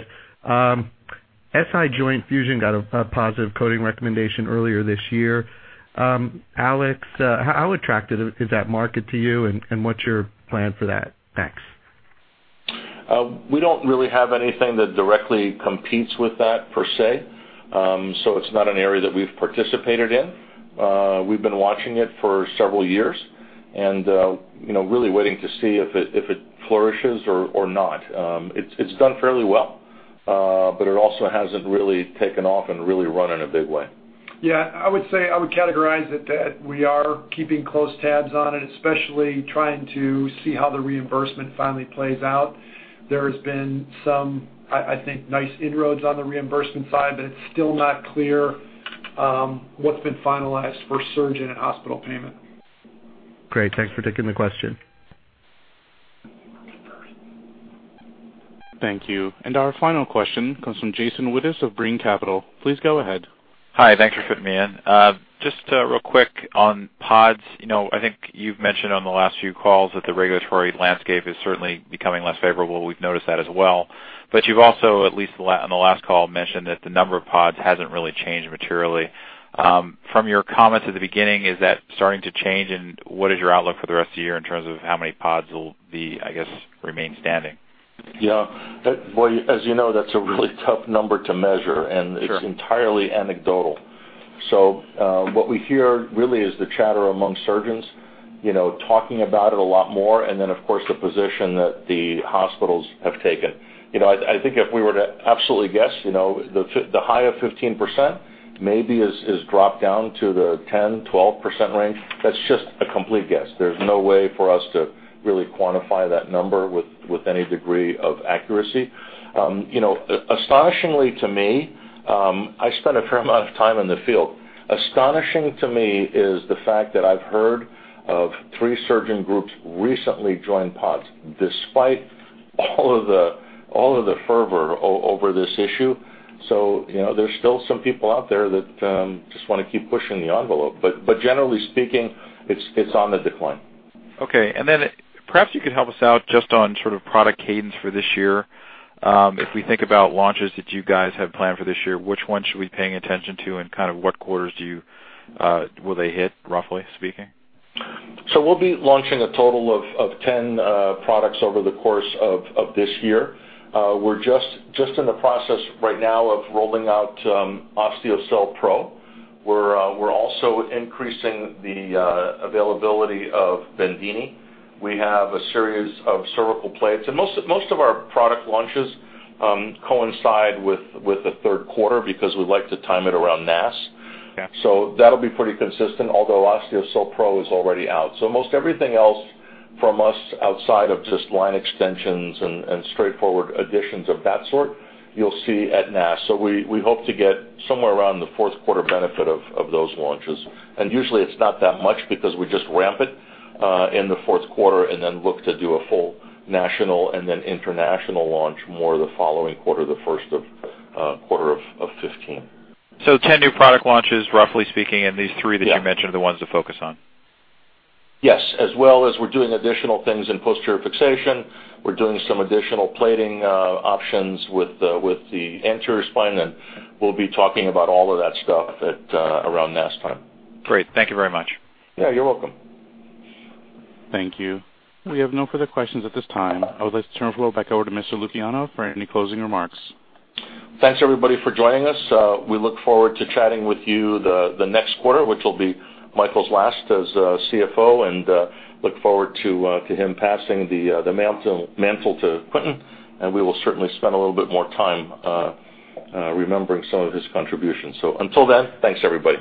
SI joint fusion got a positive coding recommendation earlier this year. Alex, how attractive is that market to you? What's your plan for that next? We do not really have anything that directly competes with that per se. It is not an area that we have participated in. We have been watching it for several years and really waiting to see if it flourishes or not. It has done fairly well. It also has not really taken off and really run in a big way. Yeah. I would categorize it that we are keeping close tabs on it, especially trying to see how the reimbursement finally plays out. There has been some, I think, nice inroads on the reimbursement side. It is still not clear what has been finalized for surgeon and hospital payment. Great. Thanks for taking the question. Thank you. Our final question comes from Jason Wittes of Breen Capital. Please go ahead. Hi. Thanks for fitting me in. Just real quick on PODs. I think you have mentioned on the last few calls that the regulatory landscape is certainly becoming less favorable. We have noticed that as well. You have also, at least on the last call, mentioned that the number of PODs has not really changed materially. From your comments at the beginning, is that starting to change? What is your outlook for the rest of the year in terms of how many PODs will, I guess, remain standing? Yeah. As you know, that's a really tough number to measure. It's entirely anecdotal. What we hear really is the chatter among surgeons talking about it a lot more. Of course, the position that the hospitals have taken. I think if we were to absolutely guess, the high of 15% maybe has dropped down to the 10%-12% range. That's just a complete guess. There's no way for us to really quantify that number with any degree of accuracy. Astonishingly to me, I spent a fair amount of time in the field. Astonishing to me is the fact that I've heard of three surgeon groups recently join PODs despite all of the fervor over this issue. There's still some people out there that just want to keep pushing the envelope. But generally speaking, it's on the decline. Okay. And then perhaps you could help us out just on sort of product cadence for this year. If we think about launches that you guys have planned for this year, which ones should we be paying attention to? And kind of what quarters will they hit, roughly speaking? We'll be launching a total of 10 products over the course of this year. We're just in the process right now of rolling out Osteocel Pro. We're also increasing the availability of Bendini. We have a series of cervical plates. Most of our product launches coincide with the third quarter because we like to time it around NASS. That'll be pretty consistent, although Osteocel Pro is already out. Most everything else from us outside of just line extensions and straightforward additions of that sort, you'll see at NASS. We hope to get somewhere around the fourth quarter benefit of those launches. Usually, it's not that much because we just ramp it in the fourth quarter and then look to do a full national and then international launch more the following quarter, the first quarter of 2015. Ten new product launches, roughly speaking, and these three that you mentioned are the ones to focus on? Yes. As well as we're doing additional things in posterior fixation, we're doing some additional plating options with the anterior spine. We'll be talking about all of that stuff around NASS time. Great. Thank you very much. Yeah. You're welcome. Thank you. We have no further questions at this time. I would like to turn the floor back over to Mr. Lukianov for any closing remarks. Thanks, everybody, for joining us. We look forward to chatting with you the next quarter, which will be Michael's last as CFO. We look forward to him passing the mantle to Quentin. We will certainly spend a little bit more time remembering some of his contributions. Until then, thanks, everybody.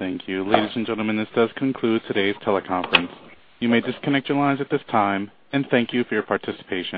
Thanks. Thank you. Ladies and gentlemen, this does conclude today's teleconference. You may disconnect your lines at this time. Thank you for your participation.